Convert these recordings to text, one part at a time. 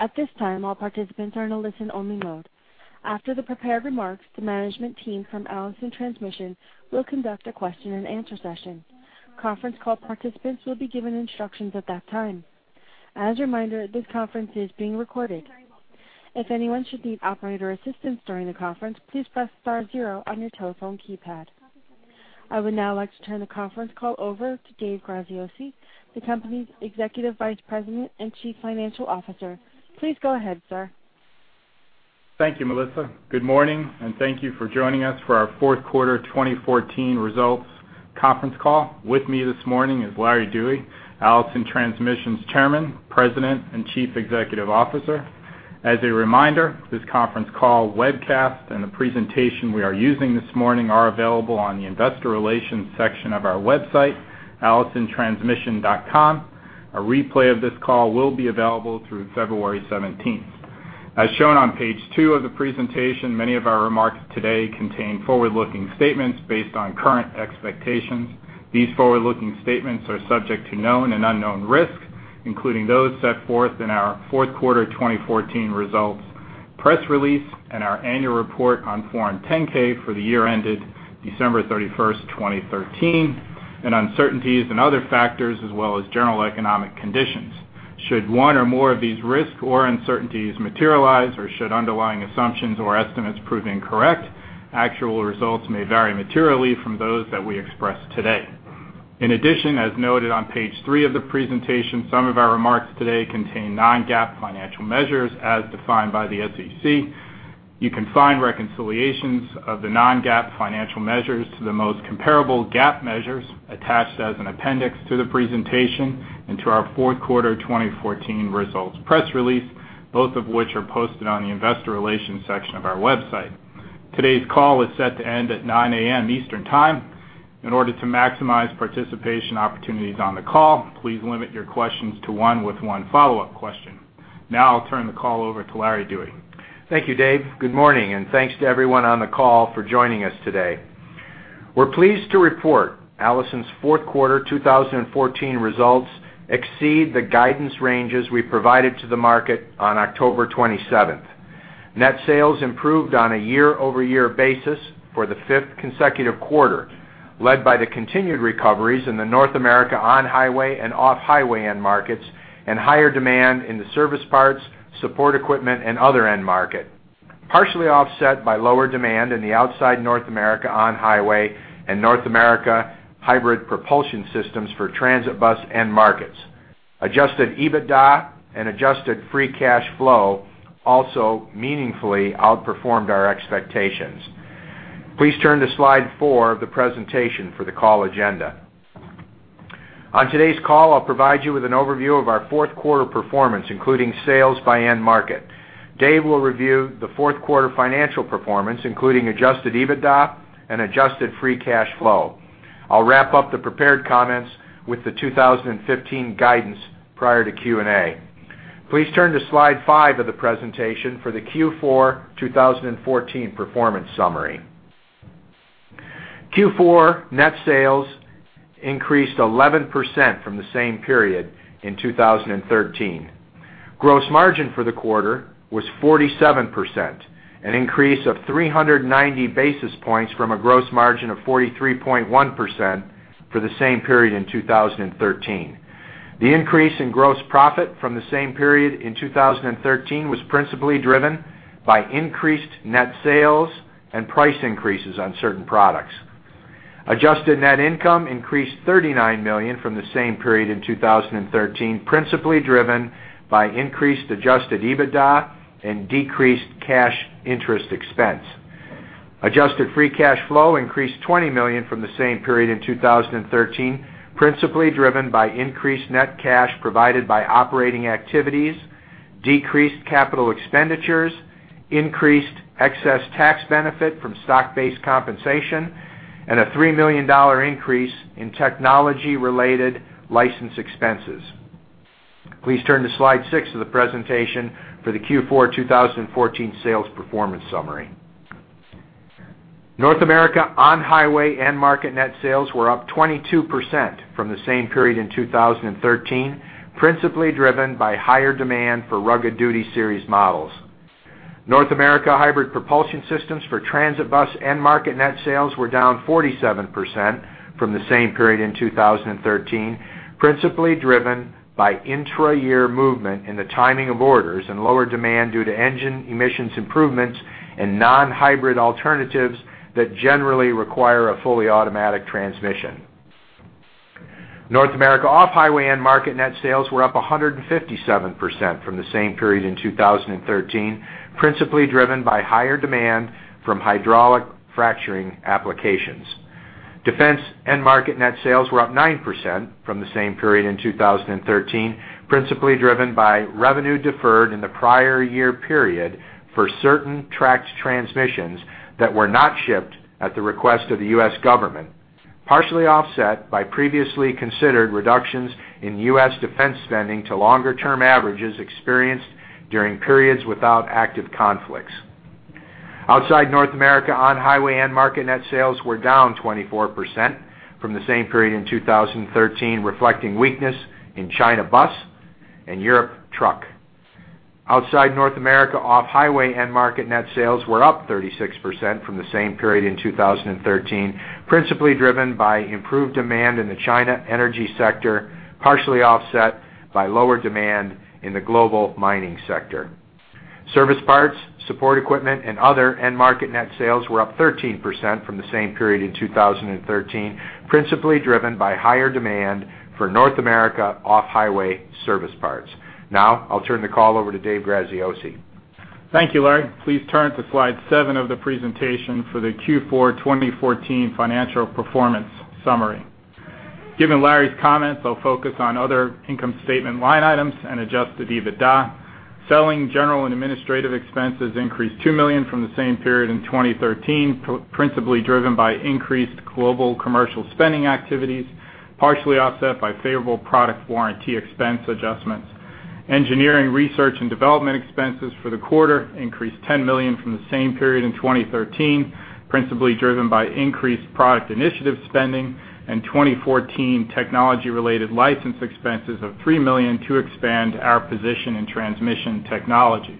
At this time, all participants are in a listen-only mode. After the prepared remarks, the management team from Allison Transmission will conduct a question-and-answer session. Conference call participants will be given instructions at that time. As a reminder, this conference is being recorded. If anyone should need operator assistance during the conference, please press star zero on your telephone keypad. I would now like to turn the conference call over to Dave Graziosi, the company's Executive Vice President and Chief Financial Officer. Please go ahead, sir. Thank you, Melissa. Good morning, and thank you for joining us for our fourth quarter 2014 results conference call. With me this morning is Larry Dewey, Allison Transmission's Chairman, President, and Chief Executive Officer. As a reminder, this conference call webcast and the presentation we are using this morning are available on the investor relations section of our website, allisontransmission.com. A replay of this call will be available through February 17th. As shown on page two of the presentation, many of our remarks today contain forward-looking statements based on current expectations. These forward-looking statements are subject to known and unknown risks, including those set forth in our fourth quarter 2014 results press release and our Annual Report on Form 10-K for the year ended December 31st, 2013, and uncertainties and other factors as well as general economic conditions. Should one or more of these risks or uncertainties materialize, or should underlying assumptions or estimates prove incorrect, actual results may vary materially from those that we express today. In addition, as noted on page three of the presentation, some of our remarks today contain non-GAAP financial measures as defined by the SEC. You can find reconciliations of the non-GAAP financial measures to the most comparable GAAP measures attached as an appendix to the presentation and to our fourth quarter 2014 results press release, both of which are posted on the investor relations section of our website. Today's call is set to end at 9:00 A.M. Eastern Time. In order to maximize participation opportunities on the call, please limit your questions to one with one follow-up question. Now I'll turn the call over to Larry Dewey. Thank you, Dave. Good morning, and thanks to everyone on the call for joining us today. We're pleased to report Allison's fourth quarter 2014 results exceed the guidance ranges we provided to the market on October 27th. Net sales improved on a year-over-year basis for the fifth consecutive quarter, led by the continued recoveries in the North America on-highway and off-highway end markets, and higher demand in the service parts, support equipment, and other end market, partially offset by lower demand in the outside North America on-highway and North America hybrid propulsion systems for transit bus end markets. Adjusted EBITDA and adjusted free cash flow also meaningfully outperformed our expectations. Please turn to slide four of the presentation for the call agenda. On today's call, I'll provide you with an overview of our fourth quarter performance, including sales by end market. Dave will review the fourth quarter financial performance, including adjusted EBITDA and adjusted free cash flow. I'll wrap up the prepared comments with the 2015 guidance prior to Q&A. Please turn to slide five of the presentation for the Q4 2014 performance summary. Q4 net sales increased 11% from the same period in 2013. Gross margin for the quarter was 47%, an increase of 390 basis points from a gross margin of 43.1% for the same period in 2013. The increase in gross profit from the same period in 2013 was principally driven by increased net sales and price increases on certain products. Adjusted net income increased $39 million from the same period in 2013, principally driven by increased adjusted EBITDA and decreased cash interest expense. Adjusted free cash flow increased $20 million from the same period in 2013, principally driven by increased net cash provided by operating activities, decreased capital expenditures, increased excess tax benefit from stock-based compensation, and a $3-million increase in technology-related license expenses. Please turn to slide six of the presentation for the Q4 2014 sales performance summary. North America on-highway end-market net sales were up 22% from the same period in 2013, principally driven by higher demand for Rugged Duty Series models. North America hybrid propulsion systems for transit bus end-market net sales were down 47% from the same period in 2013, principally driven by intra-year movement in the timing of orders and lower demand due to engine emissions improvements and non-hybrid alternatives that generally require a fully automatic transmission. North America off-highway end-market net sales were up 157% from the same period in 2013, principally driven by higher demand from hydraulic fracturing applications. Defense end-market net sales were up 9% from the same period in 2013, principally driven by revenue deferred in the prior year period for certain tracked transmissions that were not shipped at the request of the U.S. government, partially offset by previously considered reductions in U.S. defense spending to longer-term averages experienced during periods without active conflicts. Outside North America, on-highway end-market net sales were down 24% from the same period in 2013, reflecting weakness in China bus and Europe truck. Outside North America, off-highway end-market net sales were up 36% from the same period in 2013, principally driven by improved demand in the China energy sector, partially offset by lower demand in the global mining sector. Service parts, support equipment, and other end market net sales were up 13% from the same period in 2013, principally driven by higher demand for North America off-highway service parts. Now, I'll turn the call over to Dave Graziosi. Thank you, Larry. Please turn to slide seven of the presentation for the Q4 2014 financial performance summary. Given Larry's comments, I'll focus on other income statement line items and adjusted EBITDA. Selling, general, and administrative expenses increased $2 million from the same period in 2013, principally driven by increased global commercial spending activities, partially offset by favorable product warranty expense adjustments. Engineering, research, and development expenses for the quarter increased $10 million from the same period in 2013, principally driven by increased product initiative spending and 2014 technology-related license expenses of $3 million to expand our position in transmission technologies.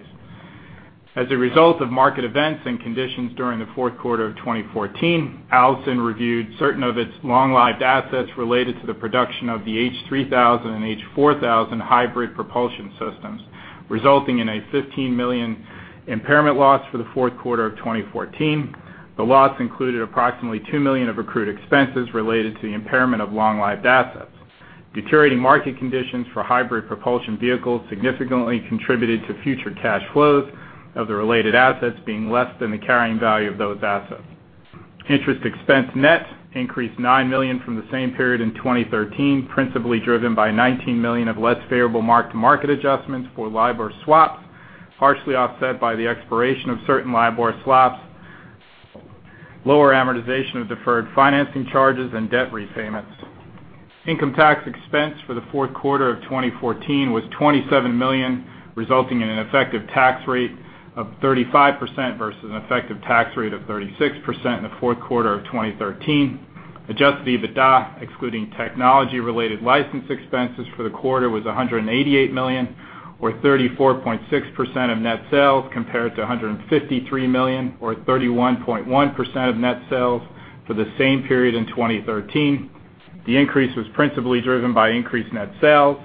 As a result of market events and conditions during the fourth quarter of 2014, Allison reviewed certain of its long-lived assets related to the production of the H3000 and H4000 hybrid propulsion systems, resulting in a $15-million impairment loss for the fourth quarter of 2014. The loss included approximately $2 million of accrued expenses related to the impairment of long-lived assets. Deteriorating market conditions for hybrid propulsion vehicles significantly contributed to future cash flows of the related assets being less than the carrying value of those assets. Interest expense net increased $9 million from the same period in 2013, principally driven by $19 million of less favorable mark-to-market adjustments for LIBOR swaps, partially offset by the expiration of certain LIBOR swaps, lower amortization of deferred financing charges, and debt repayments. Income tax expense for the fourth quarter of 2014 was $27 million, resulting in an effective tax rate of 35% versus an effective tax rate of 36% in the fourth quarter of 2013. Adjusted EBITDA, excluding technology-related license expenses for the quarter, was $188 million, or 34.6% of net sales, compared to $153 million, or 31.1% of net sales for the same period in 2013. The increase was principally driven by increased net sales,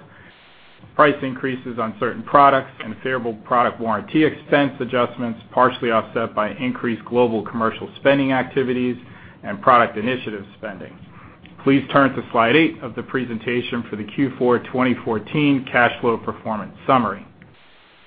price increases on certain products, and favorable product warranty expense adjustments, partially offset by increased global commercial spending activities and product initiative spending. Please turn to slide eight of the presentation for the Q4 2014 cash flow performance summary.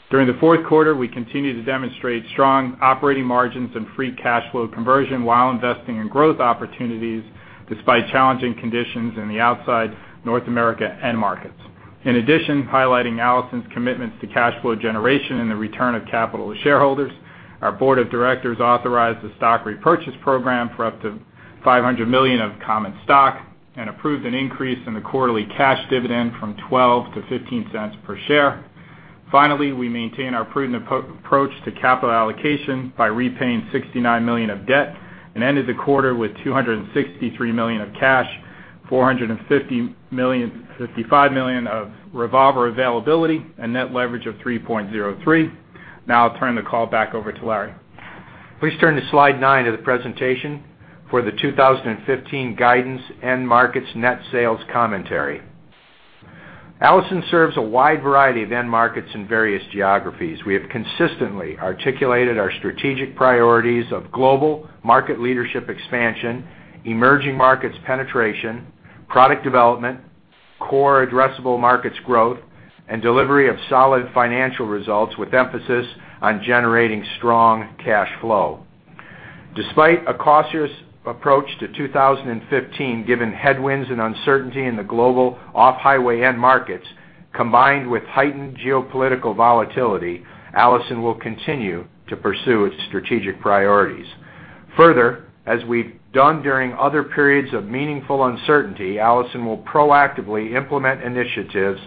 During the fourth quarter, we continued to demonstrate strong operating margins and free cash flow conversion while investing in growth opportunities, despite challenging conditions in the outside North America end markets. In addition, highlighting Allison's commitments to cash flow generation and the return of capital to shareholders, our board of directors authorized a stock repurchase program for up to $500 million of common stock and approved an increase in the quarterly cash dividend from $0.12 to $0.15 per share. Finally, we maintain our prudent approach to capital allocation by repaying $69 million of debt and ended the quarter with $263 million of cash, $455 million of revolver availability, and net leverage of 3.03. Now I'll turn the call back over to Larry. Please turn to slide nine of the presentation for the 2015 guidance end markets net sales commentary. Allison serves a wide variety of end markets in various geographies. We have consistently articulated our strategic priorities of global market leadership expansion, emerging markets penetration, product development, core addressable markets growth, and delivery of solid financial results, with emphasis on generating strong cash flow. Despite a cautious approach to 2015, given headwinds and uncertainty in the global off-highway end markets, combined with heightened geopolitical volatility, Allison will continue to pursue its strategic priorities. Further, as we've done during other periods of meaningful uncertainty, Allison will proactively implement initiatives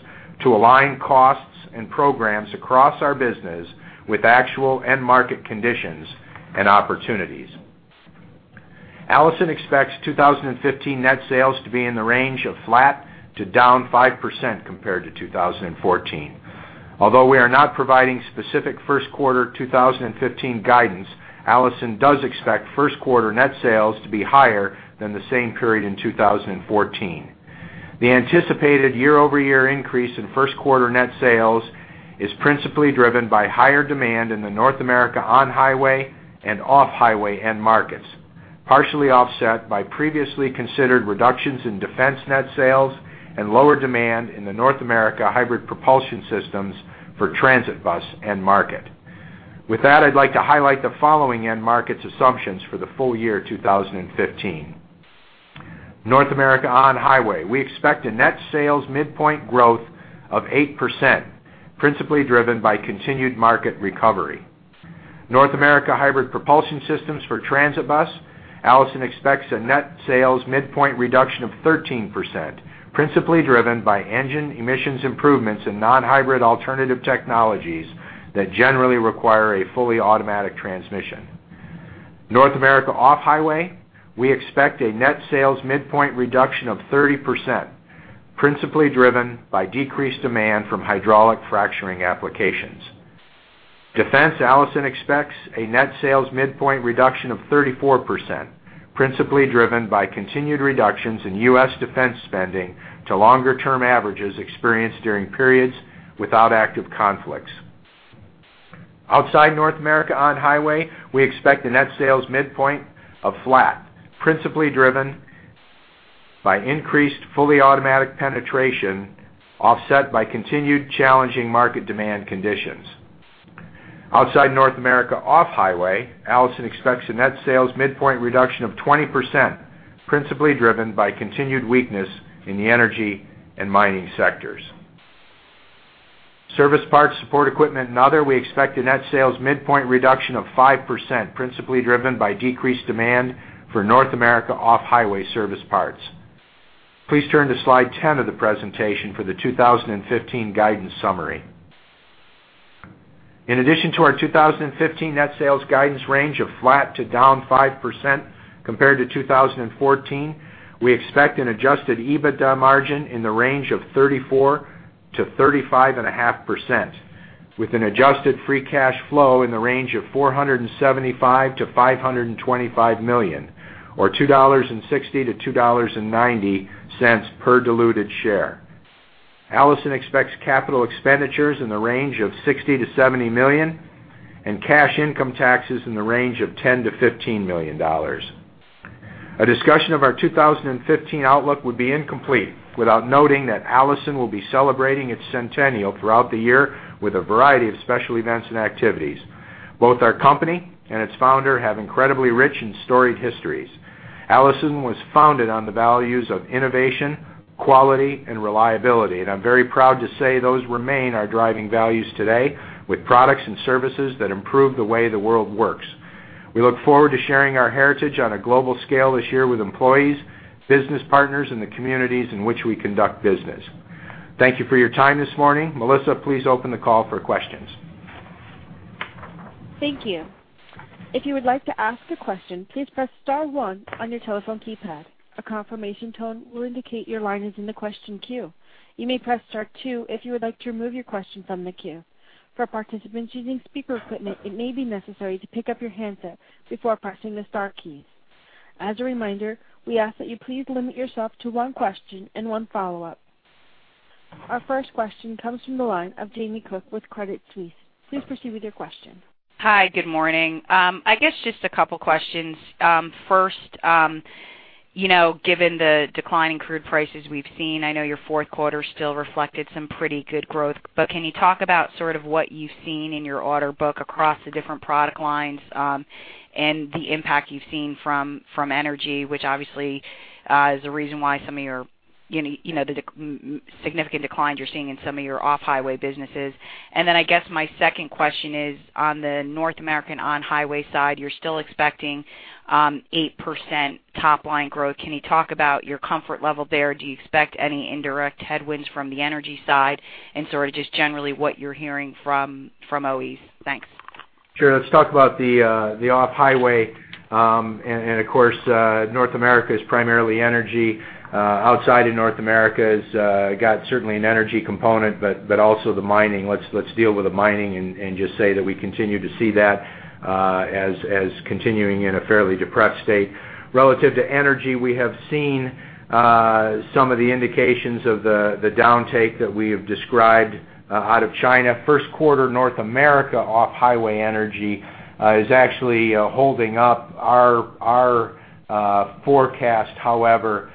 to align costs and programs across our business with actual end-market conditions and opportunities. Allison expects 2015 net sales to be in the range of flat to down 5% compared to 2014. Although we are not providing specific first quarter 2015 guidance, Allison does expect first quarter net sales to be higher than the same period in 2014. The anticipated year-over-year increase in first quarter net sales is principally driven by higher demand in the North America on-highway and off-highway end markets, partially offset by previously considered reductions in defense net sales and lower demand in the North America hybrid propulsion systems for transit bus end market. With that, I'd like to highlight the following end-markets assumptions for the full year 2015. North America on-highway, we expect a net sales midpoint growth of 8%, principally driven by continued market recovery. North America hybrid propulsion systems for transit bus, Allison expects a net sales midpoint reduction of 13%, principally driven by engine emissions improvements and non-hybrid alternative technologies that generally require a fully automatic transmission. North America off-highway, we expect a net sales midpoint reduction of 30%, principally driven by decreased demand from hydraulic fracturing applications. Defense, Allison expects a net sales midpoint reduction of 34%, principally driven by continued reductions in U.S. defense spending to longer term averages experienced during periods without active conflicts. Outside North America on-highway, we expect a net sales midpoint of flat, principally driven by increased fully automatic penetration, offset by continued challenging market demand conditions. Outside North America off-highway, Allison expects a net sales midpoint reduction of 20%, principally driven by continued weakness in the energy and mining sectors. Service parts, support equipment, and other, we expect a net sales midpoint reduction of 5%, principally driven by decreased demand for North America off-highway service parts. Please turn to slide 10 of the presentation for the 2015 guidance summary. In addition to our 2015 net sales guidance range of flat to down 5% compared to 2014, we expect an adjusted EBITDA margin in the range of 34%-35.5%, with an adjusted free cash flow in the range of $475 million-$525 million, or $2.60-$2.90 per diluted share. Allison expects capital expenditures in the range of $60 million-$70 million, and cash income taxes in the range of $10 million-$15 million. A discussion of our 2015 outlook would be incomplete without noting that Allison will be celebrating its centennial throughout the year with a variety of special events and activities. Both our company and its founder have incredibly rich and storied histories. Allison was founded on the values of innovation, quality, and reliability, and I'm very proud to say those remain our driving values today with products and services that improve the way the world works. We look forward to sharing our heritage on a global scale this year with employees, business partners, and the communities in which we conduct business. Thank you for your time this morning. Melissa, please open the call for questions. Thank you. If you would like to ask a question, please press star one on your telephone keypad. A confirmation tone will indicate your line is in the question queue. You may press star two if you would like to remove your question from the queue. For participants using speaker equipment, it may be necessary to pick up your handset before pressing the star keys. As a reminder, we ask that you please limit yourself to one question and one follow-up. Our first question comes from the line of Jamie Cook with Credit Suisse. Please proceed with your question. Hi, good morning. I guess just a couple questions. First, you know, given the decline in crude prices we've seen, I know your fourth quarter still reflected some pretty good growth, but can you talk about sort of what you've seen in your order book across the different product lines, and the impact you've seen from, from energy, which obviously, is the reason why some of your, you know, the significant declines you're seeing in some of your off-highway businesses? And then I guess my second question is, on the North American on-highway side, you're still expecting, 8% top line growth. Can you talk about your comfort level there? Do you expect any indirect headwinds from the energy side, and sort of just generally what you're hearing from, from OEs? Thanks. Sure. Let's talk about the off-highway, and of course, North America is primarily energy, outside of North America is got certainly an energy component, but also the mining. Let's deal with the mining and just say that we continue to see that as continuing in a fairly depressed state. Relative to energy, we have seen some of the indications of the downtake that we have described out of China. First quarter, North America off-highway energy is actually holding up. Our forecast, however,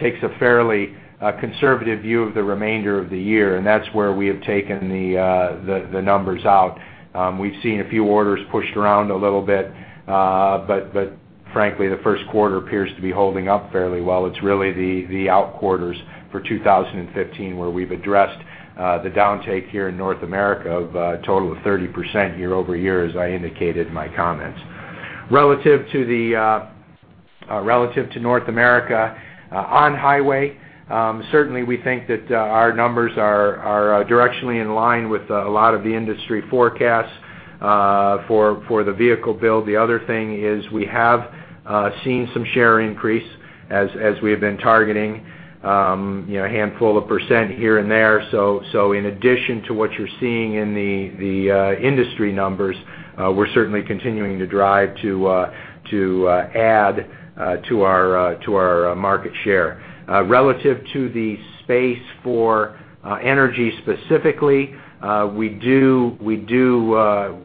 takes a fairly conservative view of the remainder of the year, and that's where we have taken the numbers out. We've seen a few orders pushed around a little bit, but frankly, the first quarter appears to be holding up fairly well. It's really the out quarters for 2015, where we've addressed the downtake here in North America of a total of 30% year-over-year, as I indicated in my comments. Relative to North America, on-highway, certainly we think that our numbers are directionally in line with a lot of the industry forecasts for the vehicle build. The other thing is we have seen some share increase as we have been targeting, you know, a handful of percent here and there. So, in addition to what you're seeing in the industry numbers, we're certainly continuing to drive to add to our market share. Relative to the space for energy specifically, we do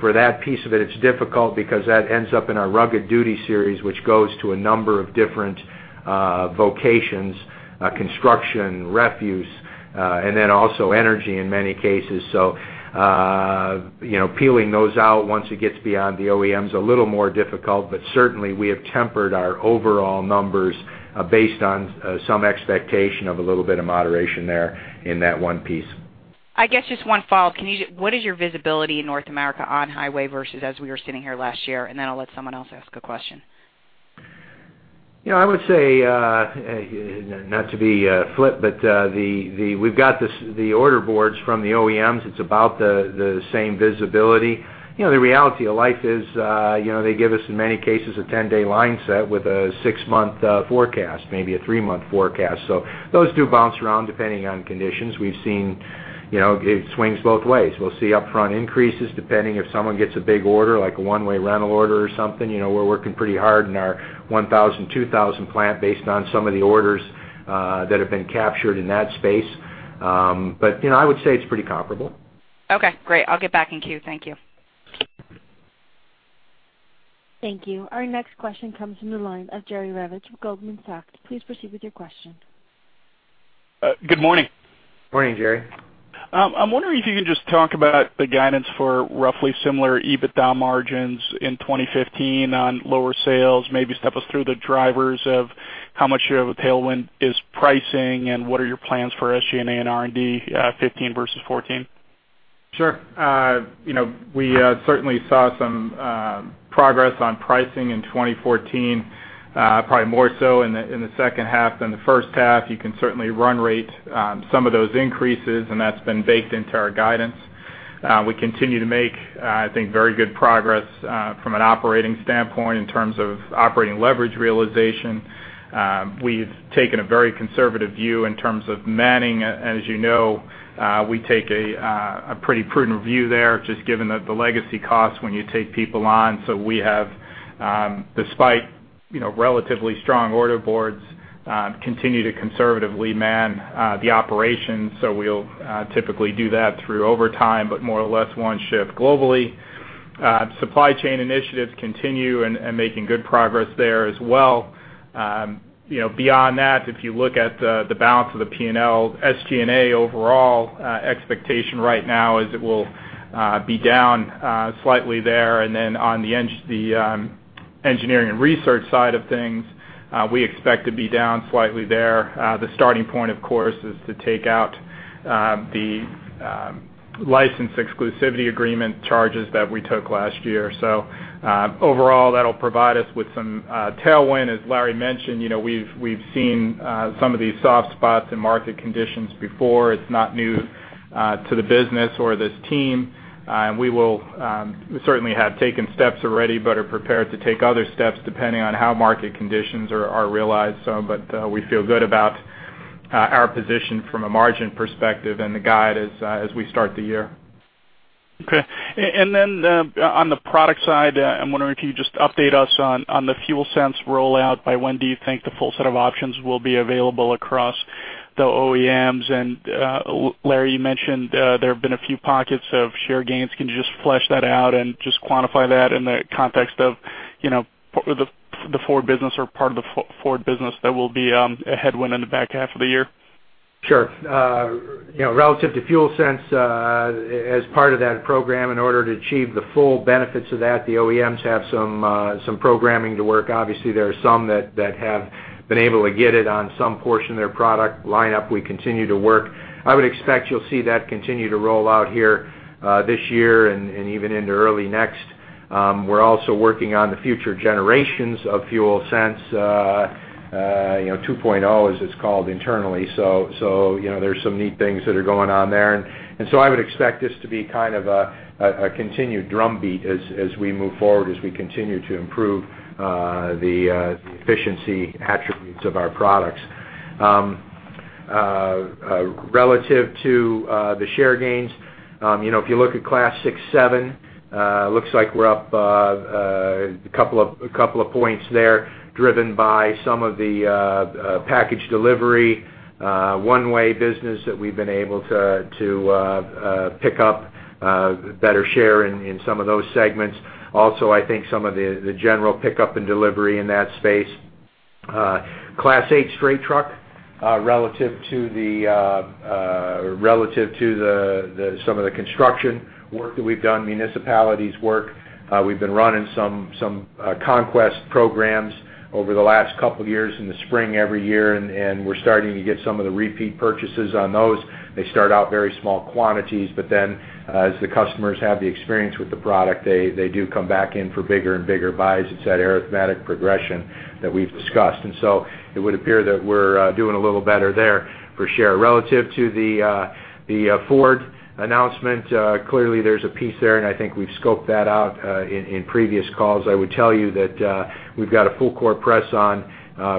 for that piece of it, it's difficult because that ends up in our Rugged Duty Series, which goes to a number of different vocations, construction, refuse, and then also energy in many cases. So, you know, peeling those out once it gets beyond the OEM is a little more difficult, but certainly we have tempered our overall numbers based on some expectation of a little bit of moderation there in that one piece. I guess just one follow. Can you just what is your visibility in North America on-highway versus as we were sitting here last year, and then I'll let someone else ask a question? .You know, I would say, not to be flip, but we've got the order boards from the OEMs, it's about the same visibility. You know, the reality of life is, you know, they give us, in many cases, a 10-day line set with a six-month forecast, maybe a three-month forecast. So those do bounce around, depending on conditions. We've seen, you know, it swings both ways. We'll see upfront increases, depending if someone gets a big order, like a one-way rental order or something. You know, we're working pretty hard in our 1,000-2,000 plant based on some of the orders that have been captured in that space. But, you know, I would say it's pretty comparable. Okay, great. I'll get back in queue. Thank you. Thank you. Our next question comes from the line of Jerry Revich with Goldman Sachs. Please proceed with your question. Good morning. Morning, Jerry. I'm wondering if you can just talk about the guidance for roughly similar EBITDA margins in 2015 on lower sales, maybe step us through the drivers of how much of a tailwind is pricing, and what are your plans for SG&A and R&D, 2015 versus 2014? Sure. You know, we certainly saw some progress on pricing in 2014, probably more so in the second half than the first half. You can certainly run rate some of those increases, and that's been baked into our guidance. We continue to make, I think, very good progress from an operating standpoint in terms of operating leverage realization. We've taken a very conservative view in terms of manning. As you know, we take a pretty prudent view there, just given that the legacy costs when you take people on. So we have, despite, you know, relatively strong order boards, continued to conservatively man the operation. So we'll typically do that through overtime, but more or less one shift globally. Supply chain initiatives continue and making good progress there as well. You know, beyond that, if you look at the balance of the P&L, SG&A overall, expectation right now is it will be down slightly there. And then on the engineering and research side of things, we expect to be down slightly there. The starting point, of course, is to take out the license exclusivity agreement charges that we took last year. So, overall, that'll provide us with some tailwind. As Larry mentioned, you know, we've seen some of these soft spots in market conditions before. It's not new to the business or this team. And we certainly have taken steps already but are prepared to take other steps, depending on how market conditions are realized. We feel good about our position from a margin perspective and the guide as we start the year. Okay. And then, on the product side, I'm wondering if you just update us on, on the FuelSense rollout. By when do you think the full set of options will be available across the OEMs? And, Larry, you mentioned there have been a few pockets of share gains. Can you just flesh that out and just quantify that in the context of, you know, the Ford business or part of the Ford business that will be a headwind in the back half of the year? Sure. You know, relative to FuelSense, as part of that program, in order to achieve the full benefits of that, the OEMs have some programming to work. Obviously, there are some that have been able to get it on some portion of their product lineup. We continue to work. I would expect you'll see that continue to roll out here, this year and even into early next. We're also working on the future generations of FuelSense, you know, 2.0, as it's called internally. So, you know, there's some neat things that are going on there. And so I would expect this to be kind of a continued drumbeat as we move forward, as we continue to improve the efficiency attributes of our products. Relative to the share gains, you know, if you look at Class 6-7, looks like we're up a couple of points there, driven by some of the package delivery one-way business that we've been able to pick up better share in some of those segments. Also, I think some of the general pickup and delivery in that space. Class 8 straight truck, relative to the construction work that we've done, municipalities work, we've been running some conquest programs over the last couple of years in the spring every year, and we're starting to get some of the repeat purchases on those. They start out very small quantities, but then, as the customers have the experience with the product, they, they do come back in for bigger and bigger buys. It's that arithmetic progression that we've discussed. And so it would appear that we're doing a little better there for share. Relative to the, the, Ford announcement, clearly, there's a piece there, and I think we've scoped that out, in, in previous calls. I would tell you that, we've got a full court press on,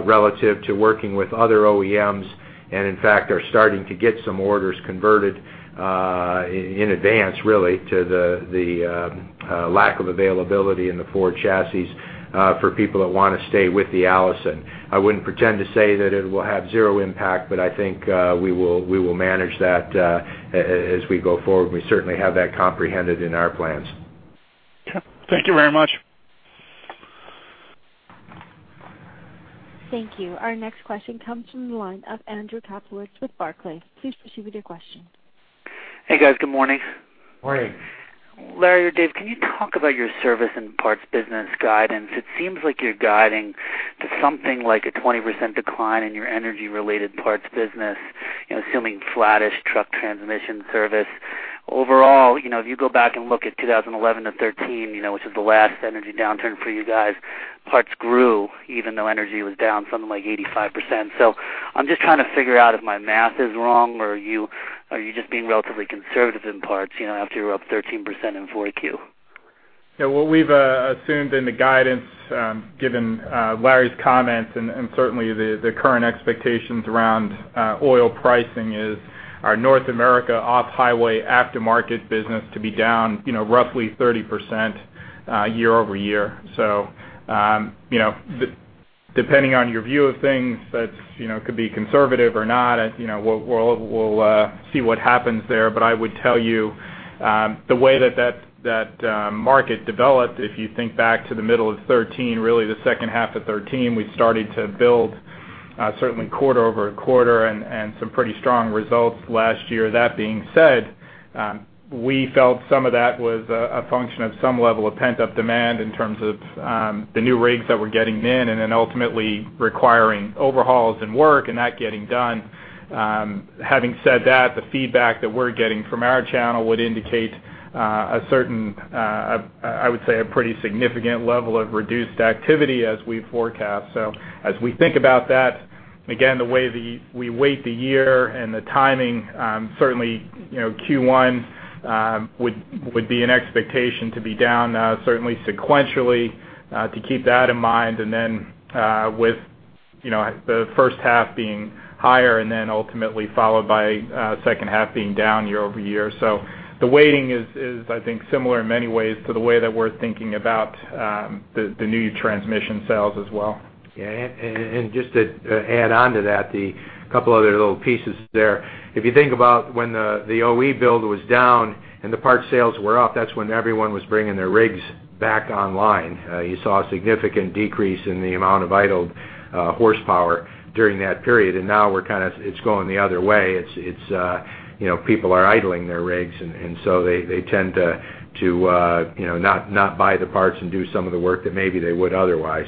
relative to working with other OEMs, and in fact, are starting to get some orders converted, in advance, really, to the, the, lack of availability in the Ford chassis, for people that want to stay with the Allison. I wouldn't pretend to say that it will have zero impact, but I think, we will, we will manage that, as we go forward. We certainly have that comprehended in our plans. Okay. Thank you very much. Thank you. Our next question comes from the line of Andrew Kaplowitz with Barclays. Please proceed with your question. Hey, guys. Good morning. Morning. Larry or Dave, can you talk about your service and parts business guidance? It seems like you're guiding to something like a 20% decline in your energy-related parts business, you know, assuming flattish truck transmission service. Overall, you know, if you go back and look at 2011-2013, you know, which is the last energy downturn for you guys, parts grew even though energy was down something like 85%. So I'm just trying to figure out if my math is wrong, or are you just being relatively conservative in parts, you know, after you're up 13% in 4Q? Yeah, what we've assumed in the guidance, given Larry's comments and certainly the current expectations around oil pricing is our North America off-highway aftermarket business to be down, you know, roughly 30%, year-over-year. So, you know, depending on your view of things, that's, you know, could be conservative or not. As, you know, we'll see what happens there. But I would tell you, the way that that market developed, if you think back to the middle of 2013, really, the second half of 2013, we started to build, certainly quarter-over-quarter and some pretty strong results last year. That being said, we felt some of that was a function of some level of pent-up demand in terms of the new rigs that were getting in and then ultimately requiring overhauls and work, and that getting done. Having said that, the feedback that we're getting from our channel would indicate a certain, I would say, a pretty significant level of reduced activity as we forecast. So as we think about that, again, the way we weight the year and the timing, certainly, you know, Q1 would be an expectation to be down certainly sequentially, to keep that in mind, and then, with, you know, the first half being higher and then ultimately followed by second half being down year-over-year. The waiting is, I think, similar in many ways to the way that we're thinking about the new transmission sales as well. Yeah, and just to add on to that, the couple other little pieces there. If you think about when the OE build was down and the parts sales were up, that's when everyone was bringing their rigs back online. You saw a significant decrease in the amount of idled horsepower during that period, and now we're kind of—it's going the other way. It's, you know, people are idling their rigs, and so they tend to you know, not buy the parts and do some of the work that maybe they would otherwise.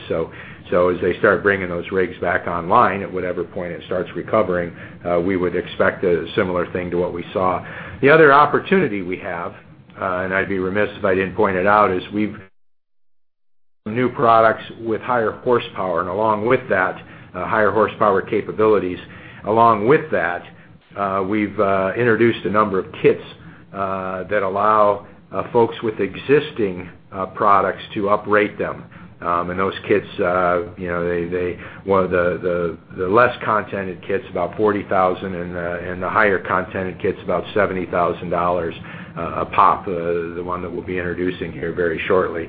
So as they start bringing those rigs back online, at whatever point it starts recovering, we would expect a similar thing to what we saw. The other opportunity we have, and I'd be remiss if I didn't point it out, is we've new products with higher horsepower. And along with that, higher horsepower capabilities, along with that, we've introduced a number of kits that allow folks with existing products to upgrade them. And those kits, you know, they... One of the less content kits, about $40,000, and the higher content kits, about $70,000 a pop, the one that we'll be introducing here very shortly,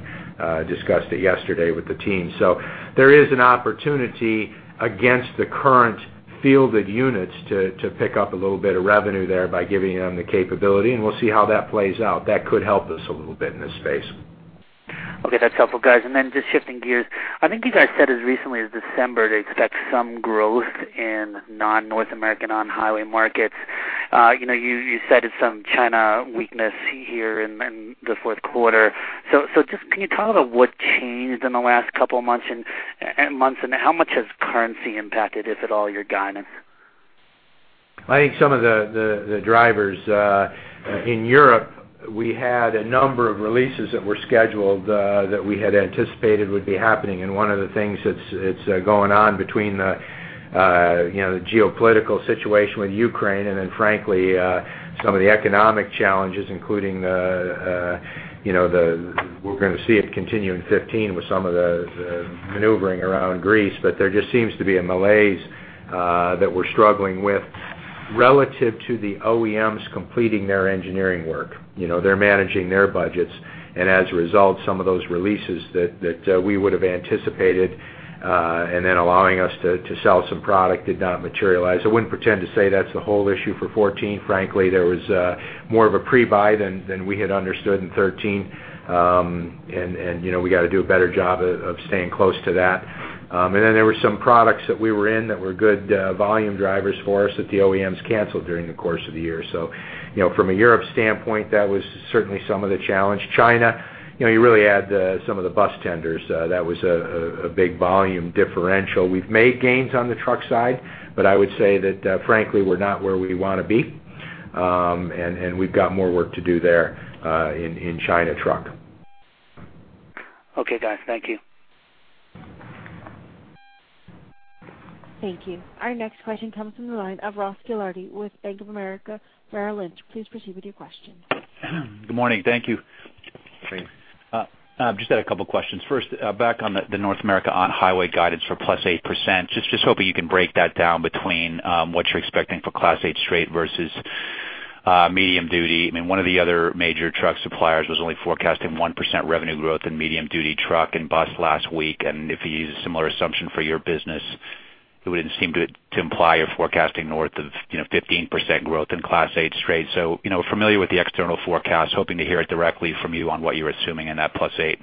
discussed it yesterday with the team. So there is an opportunity against the current fielded units to pick up a little bit of revenue there by giving them the capability, and we'll see how that plays out. That could help us a little bit in this space. Okay, that's helpful, guys. And then just shifting gears, I think you guys said as recently as December to expect some growth in non-North American on-highway markets. You know, you said it's some China weakness here in the fourth quarter. So just can you talk about what changed in the last couple months and months, and how much has currency impacted, if at all, your guidance? I think some of the drivers in Europe, we had a number of releases that were scheduled that we had anticipated would be happening. And one of the things that's going on between you know, the geopolitical situation with Ukraine and then frankly some of the economic challenges, including you know, the. We're gonna see it continue in 2015 with some of the maneuvering around Greece. But there just seems to be a malaise that we're struggling with relative to the OEMs completing their engineering work. You know, they're managing their budgets, and as a result, some of those releases that we would've anticipated and then allowing us to sell some product did not materialize. I wouldn't pretend to say that's the whole issue for 2014. Frankly, there was more of a pre-buy than we had understood in 2013. And you know, we got to do a better job of staying close to that. And then there were some products that we were in that were good volume drivers for us, that the OEMs canceled during the course of the year. So, you know, from a Europe standpoint, that was certainly some of the challenge. China, you know, you really add some of the bus tenders, that was a big volume differential. We've made gains on the truck side, but I would say that, frankly, we're not where we want to be, and we've got more work to do there, in China truck. Okay, guys. Thank you. Thank you. Our next question comes from the line of Ross Gilardi with Bank of America Merrill Lynch. Please proceed with your question. Good morning. Thank you. Morning. I just had a couple questions. First, back on the North America on-highway guidance for +8%. Just hoping you can break that down between what you're expecting for Class 8 straight versus medium duty. I mean, one of the other major truck suppliers was only forecasting 1% revenue growth in medium-duty truck and bus last week, and if you use a similar assumption for your business, it wouldn't seem to imply you're forecasting north of, you know, 15% growth in Class 8 straight. So, you know, familiar with the external forecast, hoping to hear it directly from you on what you're assuming in that +8%.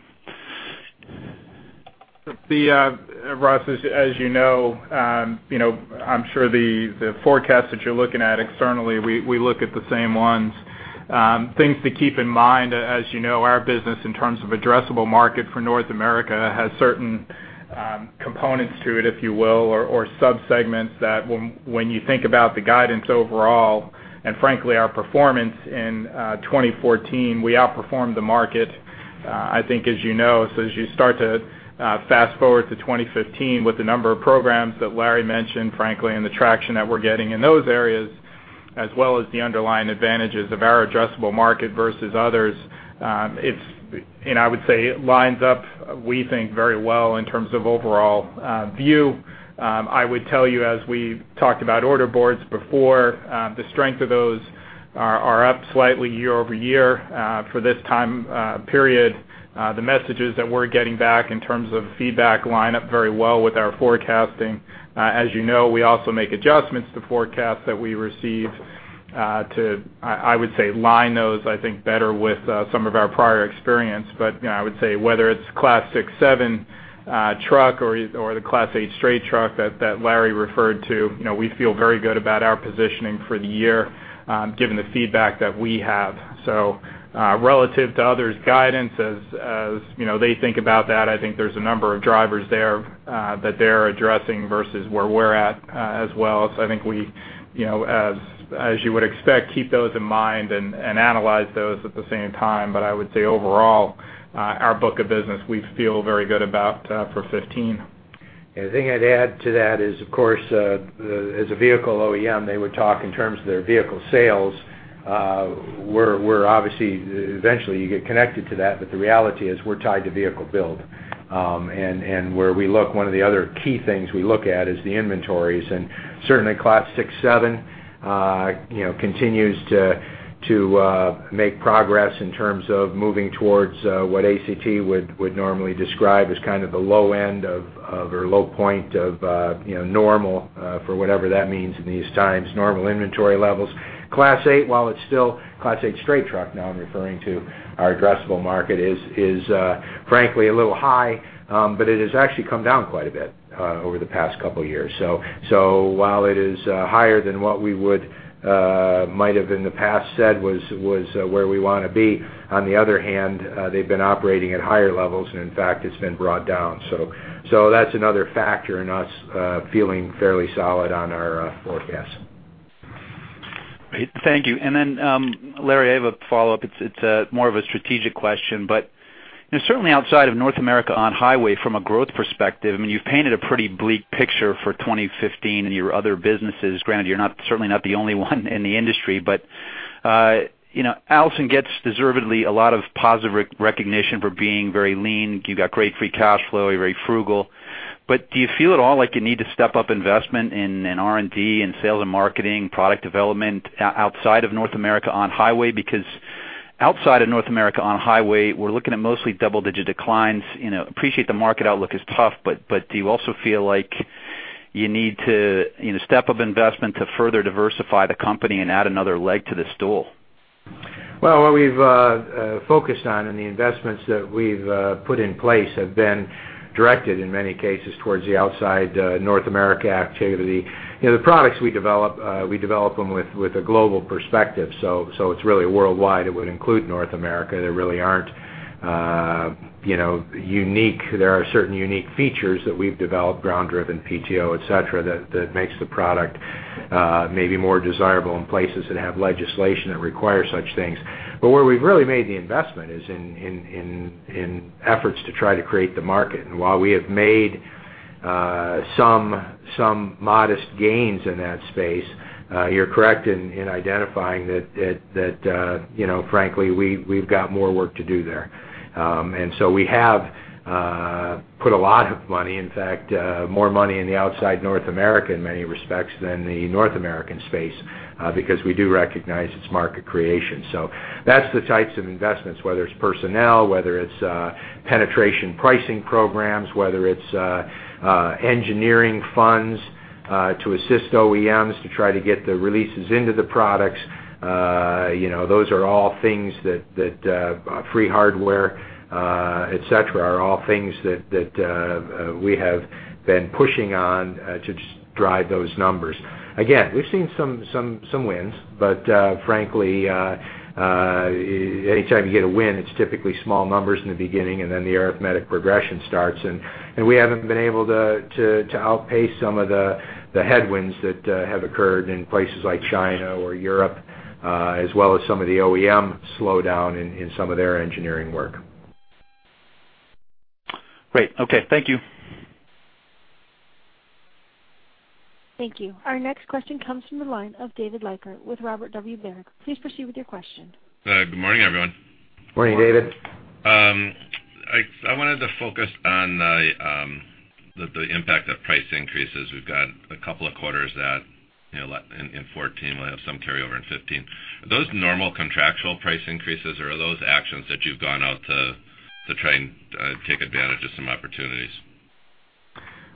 Ross, as you know, you know, I'm sure the forecast that you're looking at externally, we look at the same ones. Things to keep in mind, as you know, our business in terms of addressable market for North America has certain components to it, if you will, or subsegments, that when you think about the guidance overall, and frankly, our performance in 2014, we outperformed the market, I think, as you know. So as you start to fast forward to 2015, with the number of programs that Larry mentioned, frankly, and the traction that we're getting in those areas, as well as the underlying advantages of our addressable market versus others, it's, and I would say it lines up, we think, very well in terms of overall view. I would tell you, as we talked about order boards before, the strength of those are up slightly year-over-year, for this time period. The messages that we're getting back in terms of feedback line up very well with our forecasting. As you know, we also make adjustments to forecasts that we receive, to, I would say, line those, I think, better with some of our prior experience. But, you know, I would say, whether it's Class 6-7 truck or the Class 8 straight truck that Larry referred to, you know, we feel very good about our positioning for the year, given the feedback that we have. So, relative to others' guidance, as you know, they think about that, I think there's a number of drivers there that they're addressing versus where we're at, as well. So I think we, you know, as you would expect, keep those in mind and analyze those at the same time. But I would say, overall, our book of business, we feel very good about for 2015. The thing I'd add to that is, of course, as a vehicle OEM, they would talk in terms of their vehicle sales. We're obviously, eventually, you get connected to that, but the reality is we're tied to vehicle build. And where we look, one of the other key things we look at is the inventories. Certainly, Class 6-7, you know, continues to make progress in terms of moving towards what ACT would normally describe as kind of the low end of or low point of, you know, normal, for whatever that means in these times, normal inventory levels. Class 8, while it's still Class 8 straight truck, now I'm referring to our addressable market, is frankly a little high, but it has actually come down quite a bit over the past couple years. So while it is higher than what we would might have in the past said was where we want to be, on the other hand, they've been operating at higher levels, and in fact, it's been brought down. So that's another factor in us feeling fairly solid on our forecast. Great. Thank you. And then, Larry, I have a follow-up. It's more of a strategic question, but, you know, certainly outside of North America on-highway, from a growth perspective, I mean, you've painted a pretty bleak picture for 2015 in your other businesses. Granted, you're not, certainly not the only one in the industry, but, you know, Allison gets, deservedly, a lot of positive recognition for being very lean. You've got great free cash flow. You're very frugal. But do you feel at all like you need to step up investment in, in R&D and sales and marketing, product development, outside of North America on-highway? Because outside of North America on-highway, we're looking at mostly double-digit declines. You know, appreciate the market outlook is tough, but do you also feel like you need to, you know, step up investment to further diversify the company and add another leg to the stool? Well, what we've focused on, and the investments that we've put in place have been directed, in many cases, towards the outside North America activity. You know, the products we develop, we develop them with a global perspective, so it's really worldwide. It would include North America. There really aren't, you know, unique -- there are certain unique features that we've developed, ground-driven PTO, et cetera, that makes the product maybe more desirable in places that have legislation that require such things. But where we've really made the investment is in efforts to try to create the market. And while we have made some modest gains in that space, you're correct in identifying that, you know, frankly, we've got more work to do there. And so we have put a lot of money, in fact, more money outside North America in many respects than the North American space, because we do recognize it's market creation. So that's the types of investments, whether it's personnel, whether it's penetration pricing programs, whether it's engineering funds to assist OEMs to try to get the releases into the products. You know, those are all things that free hardware, et cetera, are all things that we have been pushing on to just drive those numbers. Again, we've seen some wins, but frankly, anytime you get a win, it's typically small numbers in the beginning, and then the arithmetic progression starts. We haven't been able to outpace some of the headwinds that have occurred in places like China or Europe, as well as some of the OEM slowdown in some of their engineering work. Great. Okay. Thank you. Thank you. Our next question comes from the line of David Leiker with Robert W. Baird. Please proceed with your question. Good morning, everyone. Morning, David. I wanted to focus on the impact of price increases. We've got a couple of quarters that, you know, in 2014, we'll have some carryover in 2015. Are those normal contractual price increases, or are those actions that you've gone out to try and take advantage of some opportunities?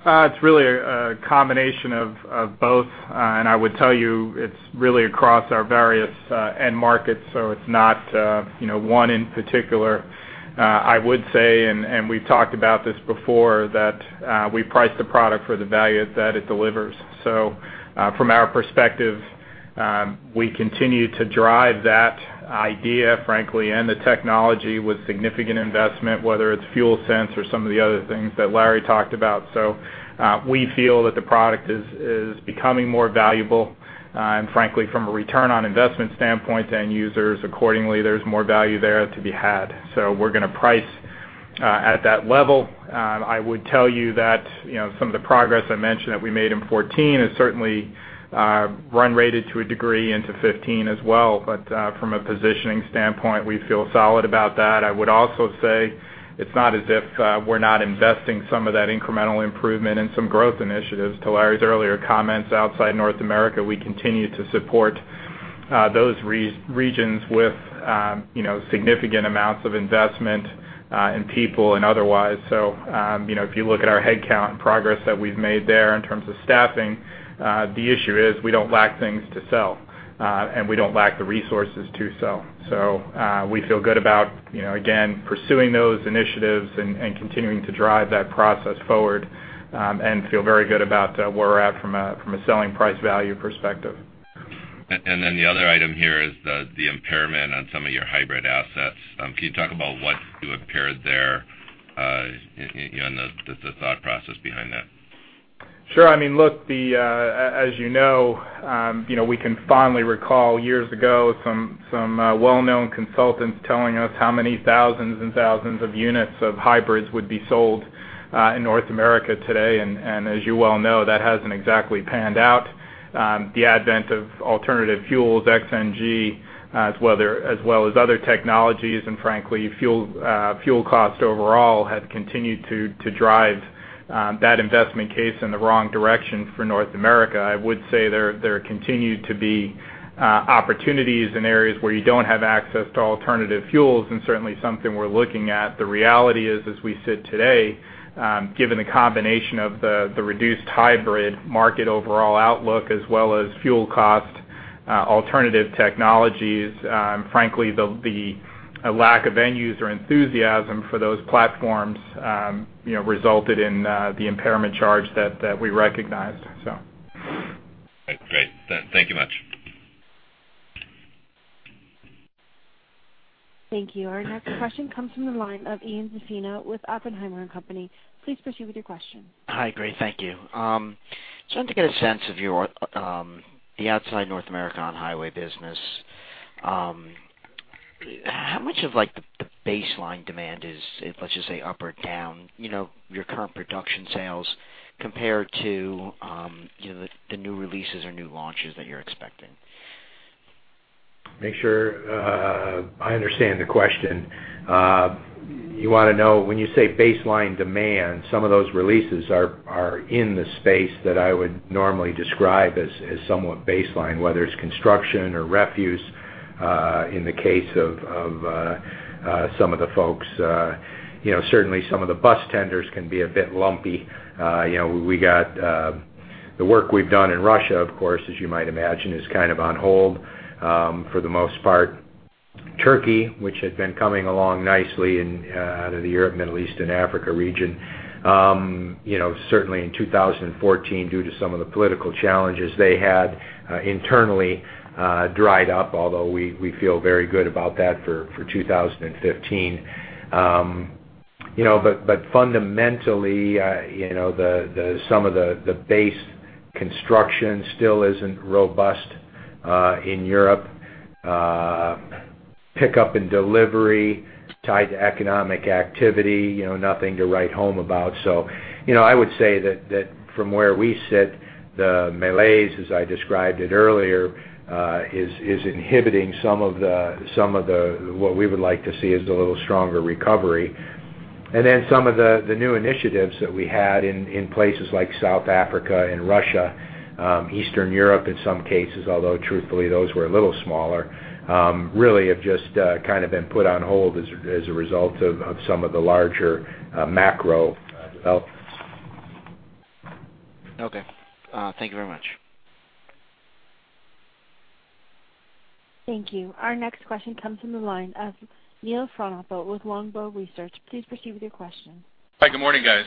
It's really a combination of both. And I would tell you, it's really across our various end markets, so it's not, you know, one in particular. I would say, and we've talked about this before, that we price the product for the value that it delivers. So, from our perspective, we continue to drive that idea, frankly, and the technology with significant investment, whether it's FuelSense or some of the other things that Larry talked about. So, we feel that the product is becoming more valuable, and frankly, from a return-on-investment standpoint, end users, accordingly, there's more value there to be had. So we're going to price at that level. I would tell you that, you know, some of the progress I mentioned that we made in 2014 is certainly run-rate to a degree into 2015 as well. But from a positioning standpoint, we feel solid about that. I would also say it's not as if we're not investing some of that incremental improvement in some growth initiatives. To Larry's earlier comments, outside North America, we continue to support those regions with, you know, significant amounts of investment in people and otherwise. So, you know, if you look at our headcount and progress that we've made there in terms of staffing, the issue is we don't lack things to sell and we don't lack the resources to sell. So, we feel good about, you know, again, pursuing those initiatives and, and continuing to drive that process forward, and feel very good about, where we're at from a, from a selling price value perspective. And then the other item here is the impairment on some of your hybrid assets. Can you talk about what you impaired there, and the thought process behind that? Sure. I mean, look, the, as you know, you know, we can fondly recall years ago, some, some, well-known consultants telling us how many thousands and thousands of units of hybrids would be sold, in North America today. And, as you well know, that hasn't exactly panned out. The advent of alternative fuels, ex. NG, as well as other technologies, and frankly, fuel, fuel cost overall, have continued to, to drive, that investment case in the wrong direction for North America. I would say there, there continue to be, opportunities in areas where you don't have access to alternative fuels, and certainly something we're looking at. The reality is, as we sit today, given the combination of the reduced hybrid market overall outlook, as well as fuel cost, alternative technologies, frankly, the lack of end user enthusiasm for those platforms, you know, resulted in, the impairment charge that we recognized, so. Great. Thank you much. Thank you. Our next question comes from the line of Ian Zaffino with Oppenheimer & Co. Inc. Please proceed with your question. Hi, great. Thank you. Just wanted to get a sense of your, the outside North America on-highway business. How much of, like, the baseline demand is, let's just say, up or down, you know, your current production sales compared to, you know, the new releases or new launches that you're expecting? Make sure I understand the question. You want to know when you say baseline demand, some of those releases are in the space that I would normally describe as somewhat baseline, whether it's construction or refuse, in the case of some of the folks, you know, certainly some of the bus tenders can be a bit lumpy. You know, we got the work we've done in Russia, of course, as you might imagine, is kind of on hold for the most part. Turkey, which had been coming along nicely in out of the Europe, Middle East, and Africa region, you know, certainly in 2014, due to some of the political challenges they had internally, dried up, although we feel very good about that for 2015. You know, but fundamentally, you know, some of the base construction still isn't robust in Europe. Pickup and delivery tied to economic activity, you know, nothing to write home about. So, you know, I would say that from where we sit, the malaise, as I described it earlier, is inhibiting some of the what we would like to see as a little stronger recovery. And then some of the new initiatives that we had in places like South Africa and Russia, Eastern Europe, in some cases, although truthfully, those were a little smaller, really have just kind of been put on hold as a result of some of the larger macro developments. Okay. Thank you very much. Thank you. Our next question comes from the line of Neil Frohnapple with Longbow Research. Please proceed with your question. Hi, good morning, guys.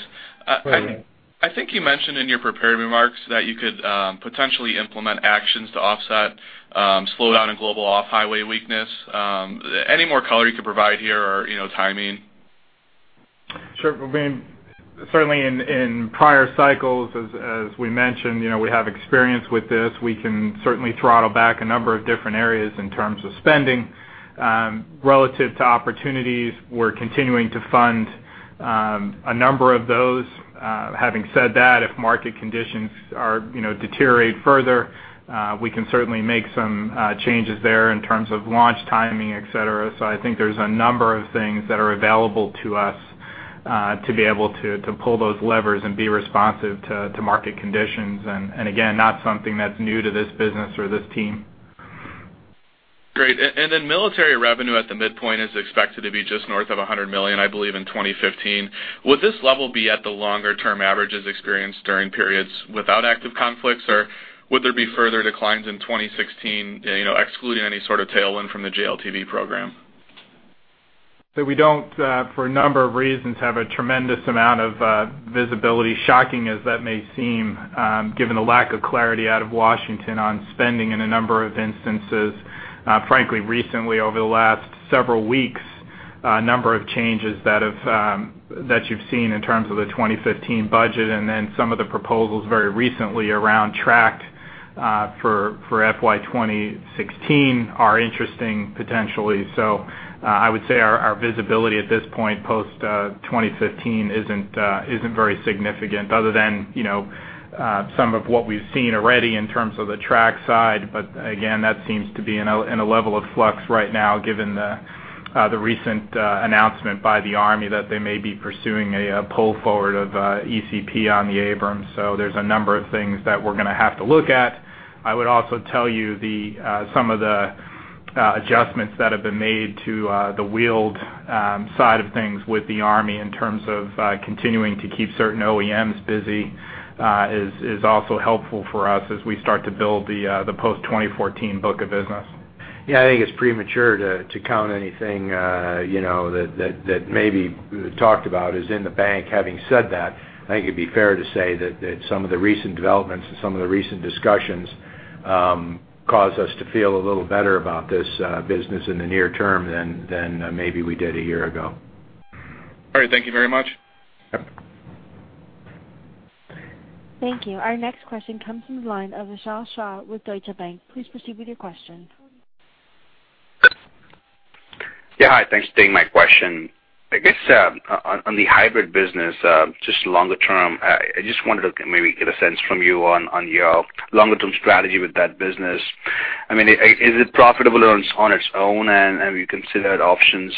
I think you mentioned in your prepared remarks that you could potentially implement actions to offset slowdown in global off-highway weakness. Any more color you could provide here or, you know, timing? Sure. I mean, certainly in prior cycles, as we mentioned, you know, we have experience with this. We can certainly throttle back a number of different areas in terms of spending, relative to opportunities. We're continuing to fund a number of those. Having said that, if market conditions are, you know, deteriorate further, we can certainly make some changes there in terms of launch timing, et cetera. So I think there's a number of things that are available to us, to be able to pull those levers and be responsive to market conditions, and again, not something that's new to this business or this team. Great. And then military revenue at the midpoint is expected to be just north of $100 million, I believe, in 2015. Would this level be at the longer term averages experienced during periods without active conflicts, or would there be further declines in 2016, you know, excluding any sort of tailwind from the JLTV program? So we don't, for a number of reasons, have a tremendous amount of visibility, shocking as that may seem, given the lack of clarity out of Washington on spending in a number of instances. Frankly, recently, over the last several weeks, a number of changes that have, that you've seen in terms of the 2015 budget, and then some of the proposals very recently around tracked, for FY 2016 are interesting, potentially. So, I would say our visibility at this point, post 2015, isn't very significant other than, you know, some of what we've seen already in terms of the tracked side. But again, that seems to be in a level of flux right now, given the recent announcement by the Army that they may be pursuing a pull forward of ECP on the Abrams. So there's a number of things that we're gonna have to look at. I would also tell you some of the adjustments that have been made to the wheeled side of things with the Army in terms of continuing to keep certain OEMs busy is also helpful for us as we start to build the post-2014 book of business. Yeah, I think it's premature to count anything, you know, that may be talked about is in the bank. Having said that, I think it'd be fair to say that some of the recent developments and some of the recent discussions cause us to feel a little better about this business in the near term than maybe we did a year ago. All right. Thank you very much. Yep. Thank you. Our next question comes from the line of Vishal Shah with Deutsche Bank. Please proceed with your question. Yeah, hi. Thanks for taking my question. I guess, on the hybrid business, just longer term, I just wanted to maybe get a sense from you on your longer-term strategy with that business. I mean, is it profitable on its own, and have you considered options,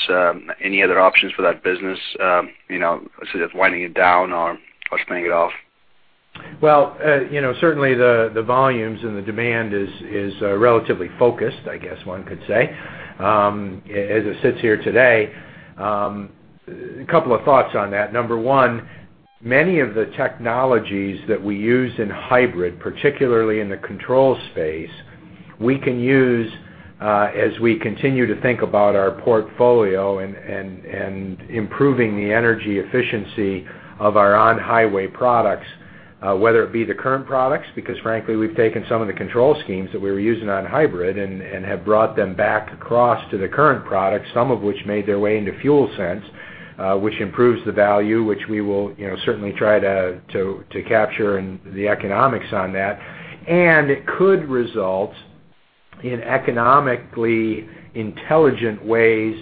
any other options for that business? You know, instead of winding it down or paying it off. Well, you know, certainly the volumes and the demand is relatively focused, I guess one could say. As it sits here today, a couple of thoughts on that. Number 1, many of the technologies that we use in hybrid, particularly in the control space, we can use as we continue to think about our portfolio and improving the energy efficiency of our on-highway products, whether it be the current products, because frankly, we've taken some of the control schemes that we were using on hybrid and have brought them back across to the current products, some of which made their way into FuelSense, which improves the value, which we will, you know, certainly try to capture and the economics on that. It could result in economically intelligent ways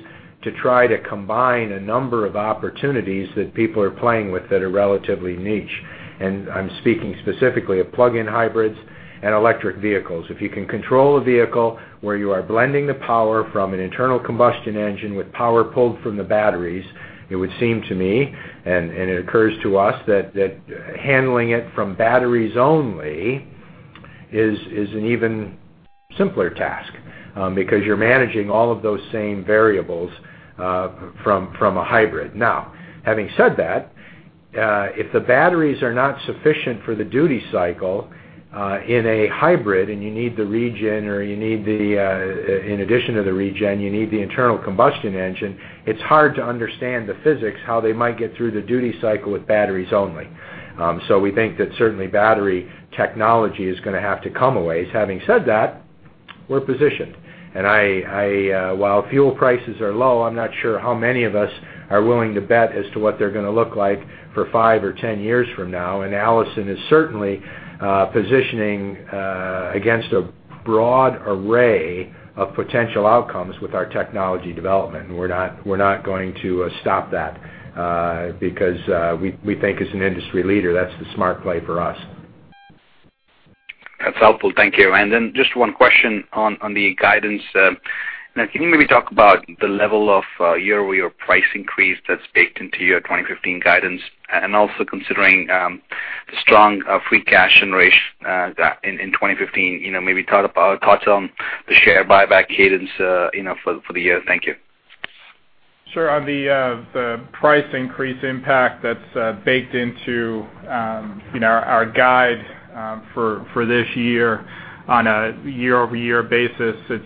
to try to combine a number of opportunities that people are playing with that are relatively niche. I'm speaking specifically of plug-in hybrids and electric vehicles. If you can control a vehicle where you are blending the power from an internal combustion engine with power pulled from the batteries, it would seem to me, and it occurs to us, that handling it from batteries only is an even simpler task, because you're managing all of those same variables from a hybrid. Now, having said that, if the batteries are not sufficient for the duty cycle, in a hybrid, and you need the regen, or you need the, in addition to the regen, you need the internal combustion engine, it's hard to understand the physics, how they might get through the duty cycle with batteries only. So we think that certainly battery technology is gonna have to come a ways. Having said that, we're positioned, and I, I, while fuel prices are low, I'm not sure how many of us are willing to bet as to what they're gonna look like for five or 10 years from now. And Allison is certainly, positioning, against a broad array of potential outcomes with our technology development. We're not going to stop that, because we think as an industry leader, that's the smart play for us. That's helpful. Thank you. And then just one question on the guidance. Now, can you maybe talk about the level of year-over-year price increase that's baked into your 2015 guidance? And also considering the strong free cash generation that in 2015, you know, maybe talk about thoughts on the share buyback cadence, you know, for the year. Thank you. Sure. On the price increase impact that's baked into, you know, our guide for this year on a year-over-year basis, it's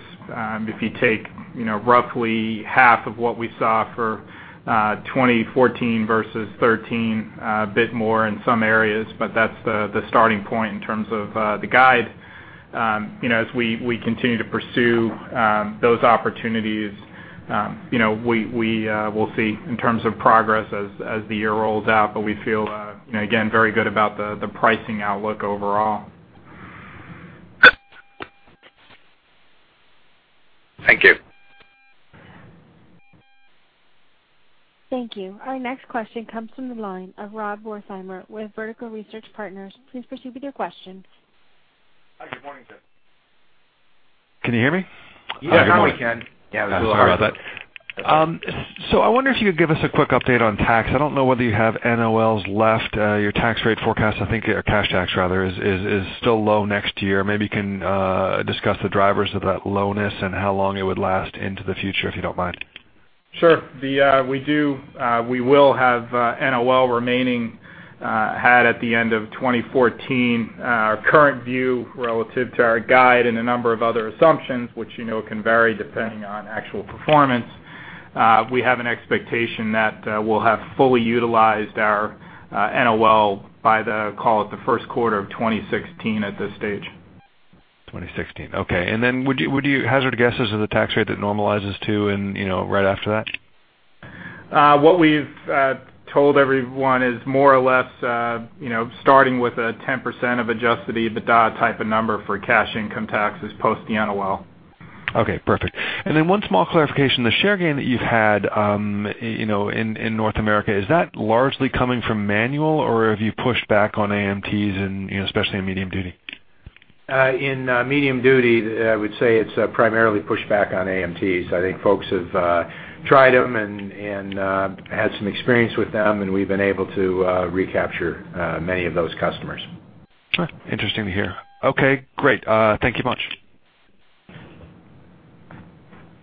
if you take, you know, roughly half of what we saw for 2014 versus 2013, a bit more in some areas, but that's the starting point in terms of the guide. You know, as we will see in terms of progress as the year rolls out, but we feel, you know, again, very good about the pricing outlook overall. Thank you. Thank you. Our next question comes from the line of Rob Wertheimer with Vertical Research Partners. Please proceed with your question. Hi, good morning, guys. Can you hear me? Yeah, now we can. Yeah, sorry about that. I wonder if you could give us a quick update on tax. I don't know whether you have NOLs left. Your tax rate forecast, I think, or cash tax, rather, is still low next year. Maybe you can discuss the drivers of that lowness and how long it would last into the future, if you don't mind. Sure. We do, we will have NOL remaining, had at the end of 2014, our current view relative to our guide and a number of other assumptions, which, you know, can vary depending on actual performance, we have an expectation that, we'll have fully utilized our NOL by the, call it, the first quarter of 2016 at this stage. 2016. Okay. And then would you, would you hazard a guess as to the tax rate that normalizes to and, you know, right after that? What we've told everyone is more or less, you know, starting with a 10% of adjusted EBITDA-type of number for cash income taxes post the NOL. Okay, perfect. And then one small clarification, the share gain that you've had, you know, in North America, is that largely coming from manual, or have you pushed back on AMTs and, you know, especially in medium duty? In medium duty, I would say it's primarily pushed back on AMTs. I think folks have tried them and had some experience with them, and we've been able to recapture many of those customers. Sure, interesting to hear. Okay, great. Thank you much.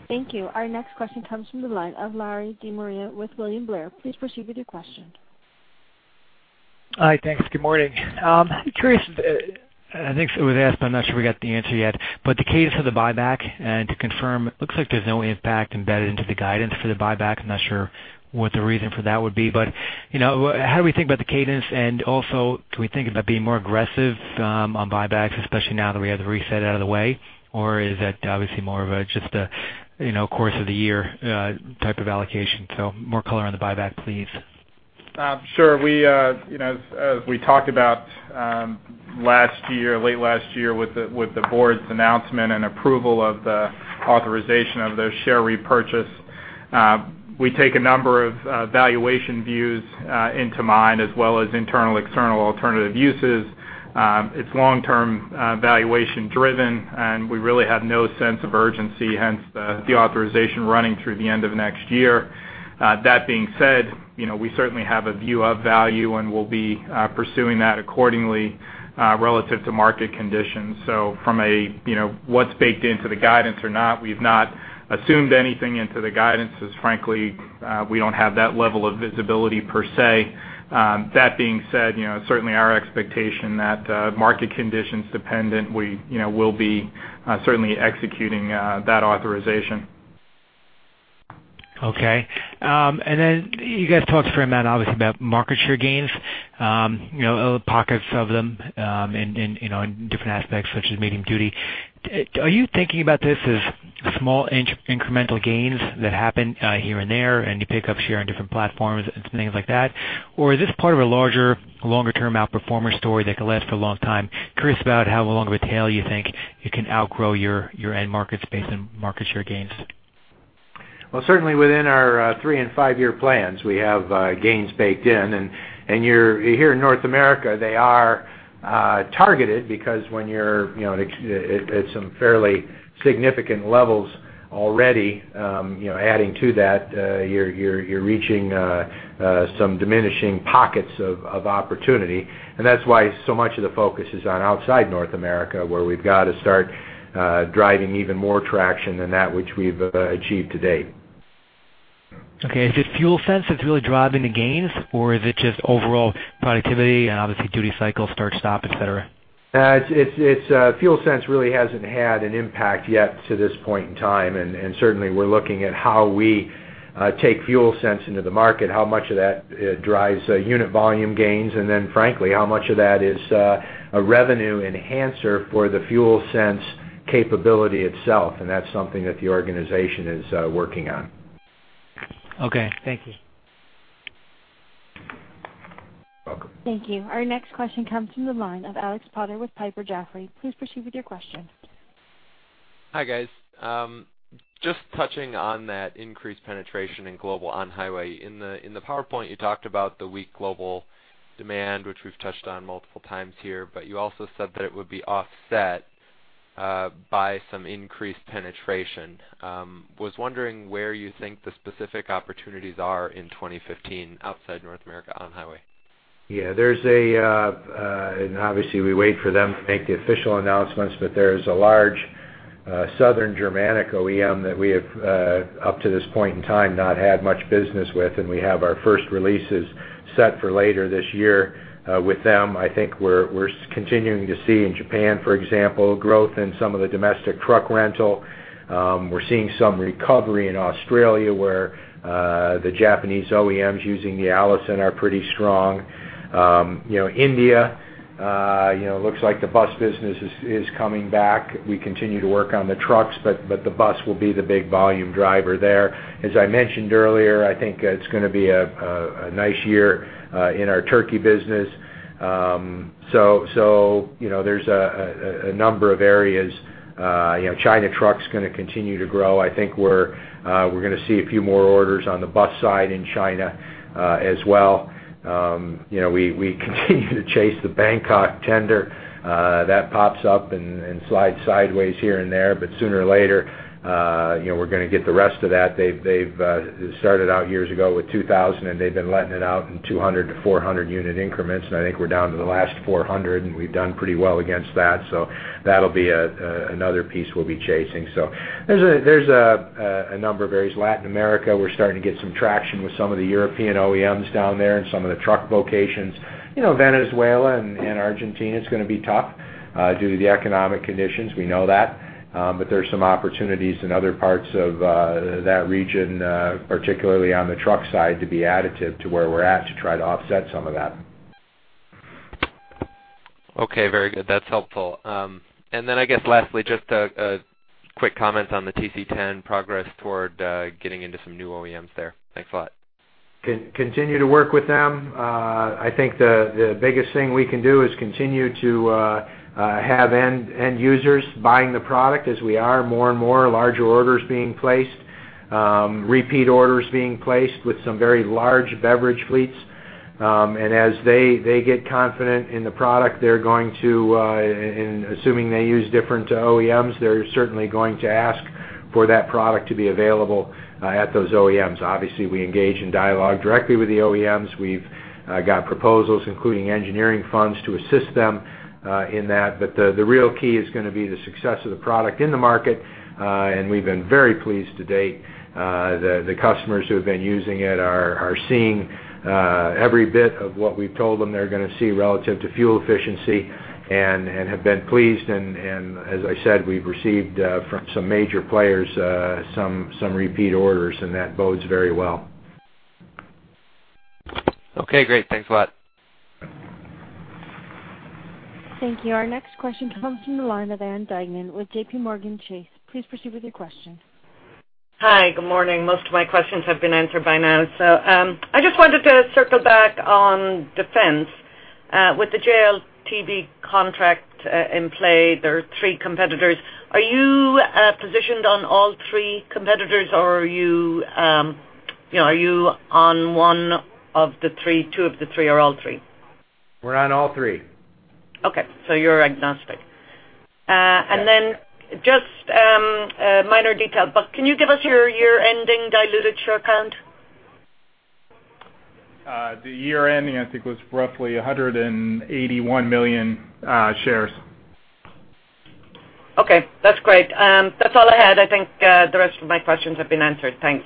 Thank you. Our next question comes from the line of Larry De Maria with William Blair. Please proceed with your question. Hi, thanks. Good morning. Curious, I think it was asked, but I'm not sure we got the answer yet. But the case for the buyback, and to confirm, it looks like there's no impact embedded into the guidance for the buyback. I'm not sure what the reason for that would be, but, you know, how do we think about the cadence? And also, can we think about being more aggressive on buybacks, especially now that we have the reset out of the way? Or is that obviously more of a, just a, you know, course of the year type of allocation? So more color on the buyback, please. Sure. We, you know, as we talked about, last year, late last year with the board's announcement and approval of the authorization of the share repurchase, we take a number of valuation views into mind as well as internal, external alternative uses. It's long-term, valuation driven, and we really have no sense of urgency, hence the authorization running through the end of next year. That being said, you know, we certainly have a view of value, and we'll be pursuing that accordingly, relative to market conditions. So from a, you know, what's baked into the guidance or not, we've not assumed anything into the guidance, as frankly, we don't have that level of visibility per se. That being said, you know, certainly our expectation that, market conditions dependent, we, you know, will be certainly executing that authorization. Okay. Then you guys talked for a moment, obviously, about market share gains, you know, pockets of them, you know, in different aspects, such as medium duty. Are you thinking about this as small incremental gains that happen here and there, and you pick up share on different platforms and things like that? Or is this part of a larger, longer-term outperformer story that could last for a long time? Curious about how long of a tail you think it can outgrow your end market space and market share gains. Well, certainly within our three and five-year plans, we have gains baked in, and you're—here in North America, they are targeted because when you're, you know, at some fairly significant levels already, you know, adding to that, you're reaching some diminishing pockets of opportunity. And that's why so much of the focus is on outside North America, where we've got to start driving even more traction than that which we've achieved to date. Okay. Is it FuelSense that's really driving the gains, or is it just overall productivity and obviously duty cycle, start, stop, et cetera? It's FuelSense really hasn't had an impact yet to this point in time, and certainly we're looking at how we take FuelSense into the market, how much of that drives unit volume gains, and then frankly, how much of that is a revenue enhancer for the FuelSense capability itself, and that's something that the organization is working on. Okay, thank you. Welcome. Thank you. Our next question comes from the line of Alex Potter with Piper Jaffray. Please proceed with your question. Hi, guys. Just touching on that increased penetration in global on-highway. In the PowerPoint, you talked about the weak global demand, which we've touched on multiple times here, but you also said that it would be offset by some increased penetration. Was wondering where you think the specific opportunities are in 2015 outside North America on-highway? Yeah, and obviously, we wait for them to make the official announcements, but there's a large, southern Germanic OEM that we have, up to this point in time, not had much business with, and we have our first releases set for later this year, with them. I think we're continuing to see in Japan, for example, growth in some of the domestic truck rental. We're seeing some recovery in Australia, where, the Japanese OEMs using the Allison are pretty strong. You know, India, you know, looks like the bus business is coming back. We continue to work on the trucks, but the bus will be the big volume driver there. As I mentioned earlier, I think, it's gonna be a nice year, in our Turkey business. So, you know, there's a number of areas, you know, China trucks going to continue to grow. I think we're gonna see a few more orders on the bus side in China, as well. You know, we continue to chase the Bangkok tender, that pops up and slide sideways here and there, but sooner or later, you know, we're gonna get the rest of that. They've started out years ago with 2,000, and they've been letting it out in 200-400 unit increments, and I think we're down to the last 400, and we've done pretty well against that. So that'll be a another piece we'll be chasing. So there's a number of areas. Latin America, we're starting to get some traction with some of the European OEMs down there and some of the truck locations. You know, Venezuela and, and Argentina, it's gonna be tough, due to the economic conditions. We know that, but there's some opportunities in other parts of, that region, particularly on the truck side, to be additive to where we're at, to try to offset some of that. Okay, very good. That's helpful. And then I guess lastly, just a quick comment on the TC10 progress toward getting into some new OEMs there. Thanks a lot. Continue to work with them. I think the biggest thing we can do is continue to have end users buying the product as we are, more and more larger orders being placed, repeat orders being placed with some very large beverage fleets. And as they get confident in the product, they're going to, and assuming they use different OEMs, they're certainly going to ask for that product to be available at those OEMs. Obviously, we engage in dialogue directly with the OEMs. We've got proposals, including engineering funds, to assist them in that. But the real key is gonna be the success of the product in the market, and we've been very pleased to date. The customers who have been using it are seeing every bit of what we've told them they're gonna see relative to fuel efficiency and have been pleased, and as I said, we've received from some major players some repeat orders, and that bodes very well. Okay, great. Thanks a lot. Thank you. Our next question comes from the line of Ann Duignan with JPMorgan Chase. Please proceed with your question. Hi, good morning. Most of my questions have been answered by now, so, I just wanted to circle back on defense. With the JLTV contract in play, there are three competitors. Are you positioned on all three competitors, or are you, you know, are you on one of the three, two of the three, or all three? We're on all three. Okay, so you're agnostic. Yes. Then, just a minor detail, but can you give us your year-ending diluted share count? The year-ending, I think, was roughly 181 million shares. Okay, that's great. That's all I had. I think, the rest of my questions have been answered. Thanks.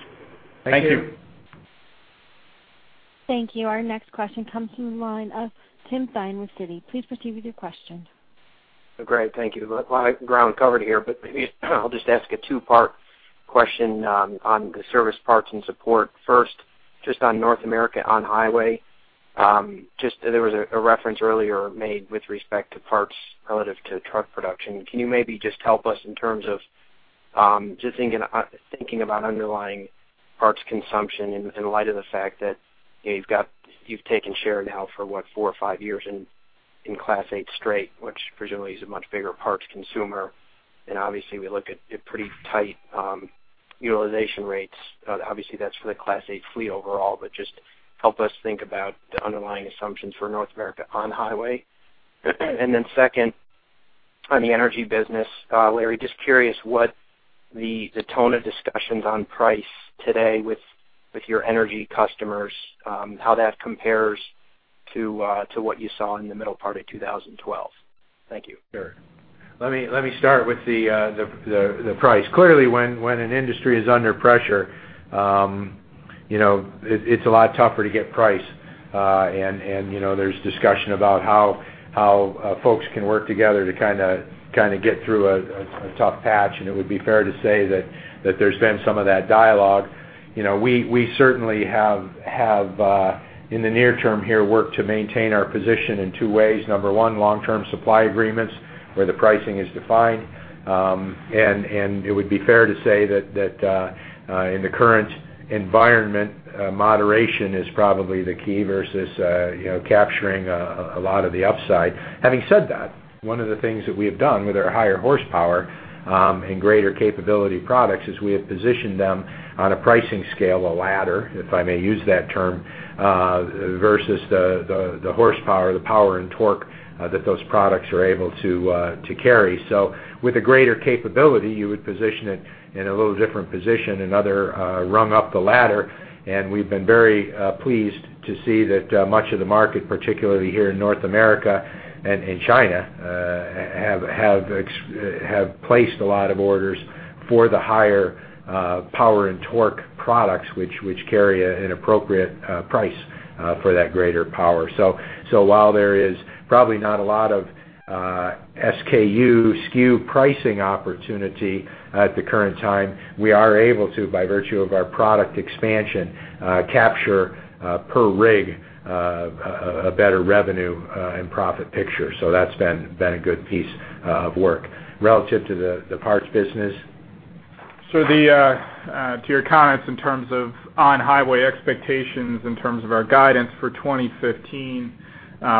Thank you. Thank you. Thank you. Our next question comes from the line of Tim Thein with Citi. Please proceed with your question. Great, thank you. Look, a lot of ground covered here, but maybe I'll just ask a two-part question on the service parts and support. First, just on North America on-highway, just there was a reference earlier made with respect to parts relative to truck production. Can you maybe just help us in terms of just thinking about underlying parts consumption in light of the fact that you've taken share now for, what, four or five years in Class 8 straight, which presumably is a much bigger parts consumer, and obviously, we look at pretty tight utilization rates. Obviously, that's for the Class 8 fleet overall, but just help us think about the underlying assumptions for North America on-highway. Then, second, on the energy business, Larry, just curious what the tone of discussions on price today with your energy customers, how that compares to what you saw in the middle part of 2012? Thank you. Sure. Let me start with the price. Clearly, when an industry is under pressure, you know, it's a lot tougher to get price. And, you know, there's discussion about how folks can work together to kinda get through a tough patch, and it would be fair to say that there's been some of that dialogue. You know, we certainly have, in the near term here, worked to maintain our position in two ways. Number one, long-term supply agreements, where the pricing is defined. And it would be fair to say that, in the current environment, moderation is probably the key versus, you know, capturing a lot of the upside. Having said that, one of the things that we have done with our higher horsepower and greater capability products is we have positioned them on a pricing scale, a ladder, if I may use that term, versus the horsepower, the power and torque that those products are able to to carry. With a greater capability, you would position it in a little different position, another rung up the ladder. We've been very pleased to see that much of the market, particularly here in North America and in China, have placed a lot of orders for the higher power and torque products, which carry an appropriate price for that greater power. So while there is probably not a lot of SKU pricing opportunity at the current time, we are able to, by virtue of our product expansion, capture per rig a better revenue and profit picture. So that's been a good piece of work. Relative to the parts business? So, to your comments in terms of on-highway expectations, in terms of our guidance for 2015,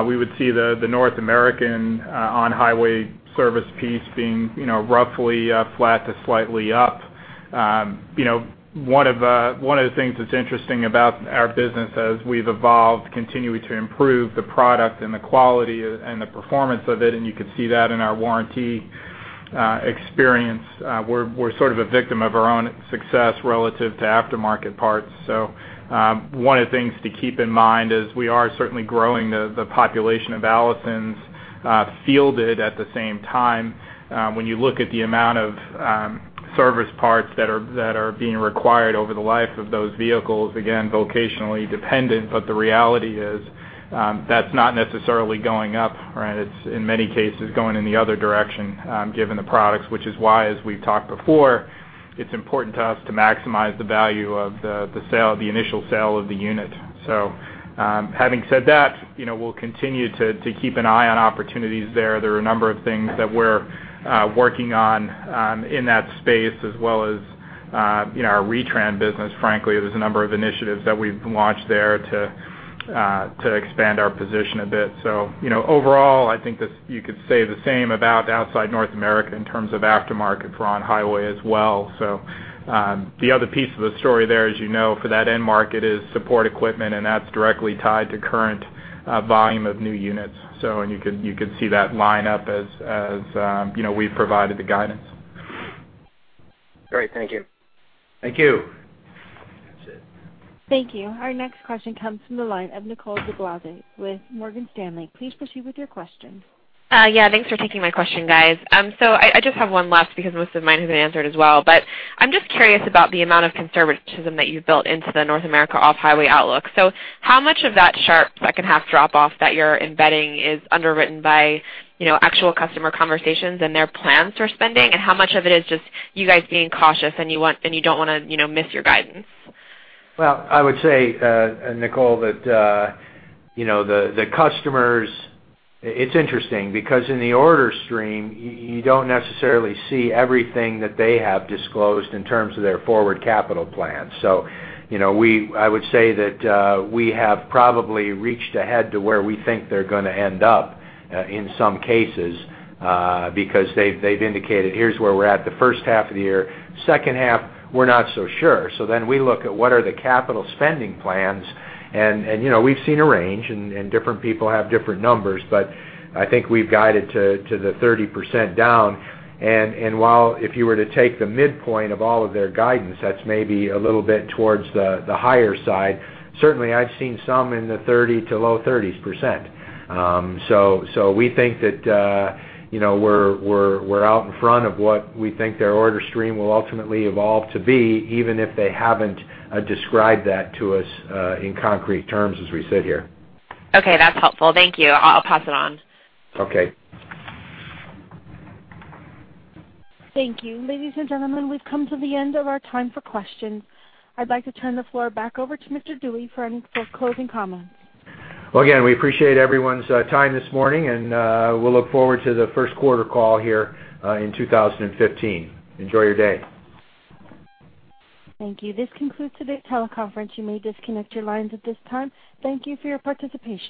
we would see the, the North American on-highway service piece being, you know, roughly flat to slightly up. You know, one of, one of the things that's interesting about our business as we've evolved, continuing to improve the product and the quality and, and the performance of it, and you can see that in our warranty experience, we're, we're sort of a victim of our own success relative to aftermarket parts. So, one of the things to keep in mind is we are certainly growing the, the population of Allisons fielded at the same time. When you look at the amount of service parts that are being required over the life of those vehicles, again, vocationally dependent, but the reality is, that's not necessarily going up, right? It's, in many cases, going in the other direction, given the products, which is why, as we've talked before, it's important to us to maximize the value of the sale, the initial sale of the unit. So, having said that, you know, we'll continue to keep an eye on opportunities there. There are a number of things that we're working on in that space, as well as-... you know, our ReTran business, frankly, there's a number of initiatives that we've launched there to, to expand our position a bit. So, you know, overall, I think that you could say the same about outside North America in terms of aftermarket for on-highway as well. So, the other piece of the story there, as you know, for that end market, is support equipment, and that's directly tied to current, volume of new units. So-- and you could, you could see that line up as, as, you know, we've provided the guidance. Great, thank you. Thank you. That's it. Thank you. Our next question comes from the line of Nicole DeBlase with Morgan Stanley. Please proceed with your question. Yeah, thanks for taking my question, guys. So I just have one last because most of mine have been answered as well. But I'm just curious about the amount of conservatism that you've built into the North America off-highway outlook. So how much of that sharp second half drop-off that you're embedding is underwritten by, you know, actual customer conversations and their plans for spending? And how much of it is just you guys being cautious, and you don't wanna, you know, miss your guidance? Well, I would say, Nicole, that, you know, the customers... It's interesting because in the order stream, you don't necessarily see everything that they have disclosed in terms of their forward capital plan. So, you know, we, I would say that, we have probably reached ahead to where we think they're gonna end up, in some cases, because they've indicated, "Here's where we're at the first half of the year. Second half, we're not so sure." So then we look at what are the capital spending plans, and, you know, we've seen a range, and different people have different numbers, but I think we've guided to the 30% down. While if you were to take the midpoint of all of their guidance, that's maybe a little bit towards the higher side, certainly I've seen some in the 30 to low 30s%. So we think that, you know, we're out in front of what we think their order stream will ultimately evolve to be, even if they haven't described that to us, in concrete terms as we sit here. Okay, that's helpful. Thank you. I'll pass it on. Okay. Thank you. Ladies and gentlemen, we've come to the end of our time for questions. I'd like to turn the floor back over to Mr. Dewey for any closing comments. Well, again, we appreciate everyone's time this morning, and we'll look forward to the first quarter call here in 2015. Enjoy your day. Thank you. This concludes today's teleconference. You may disconnect your lines at this time. Thank you for your participation.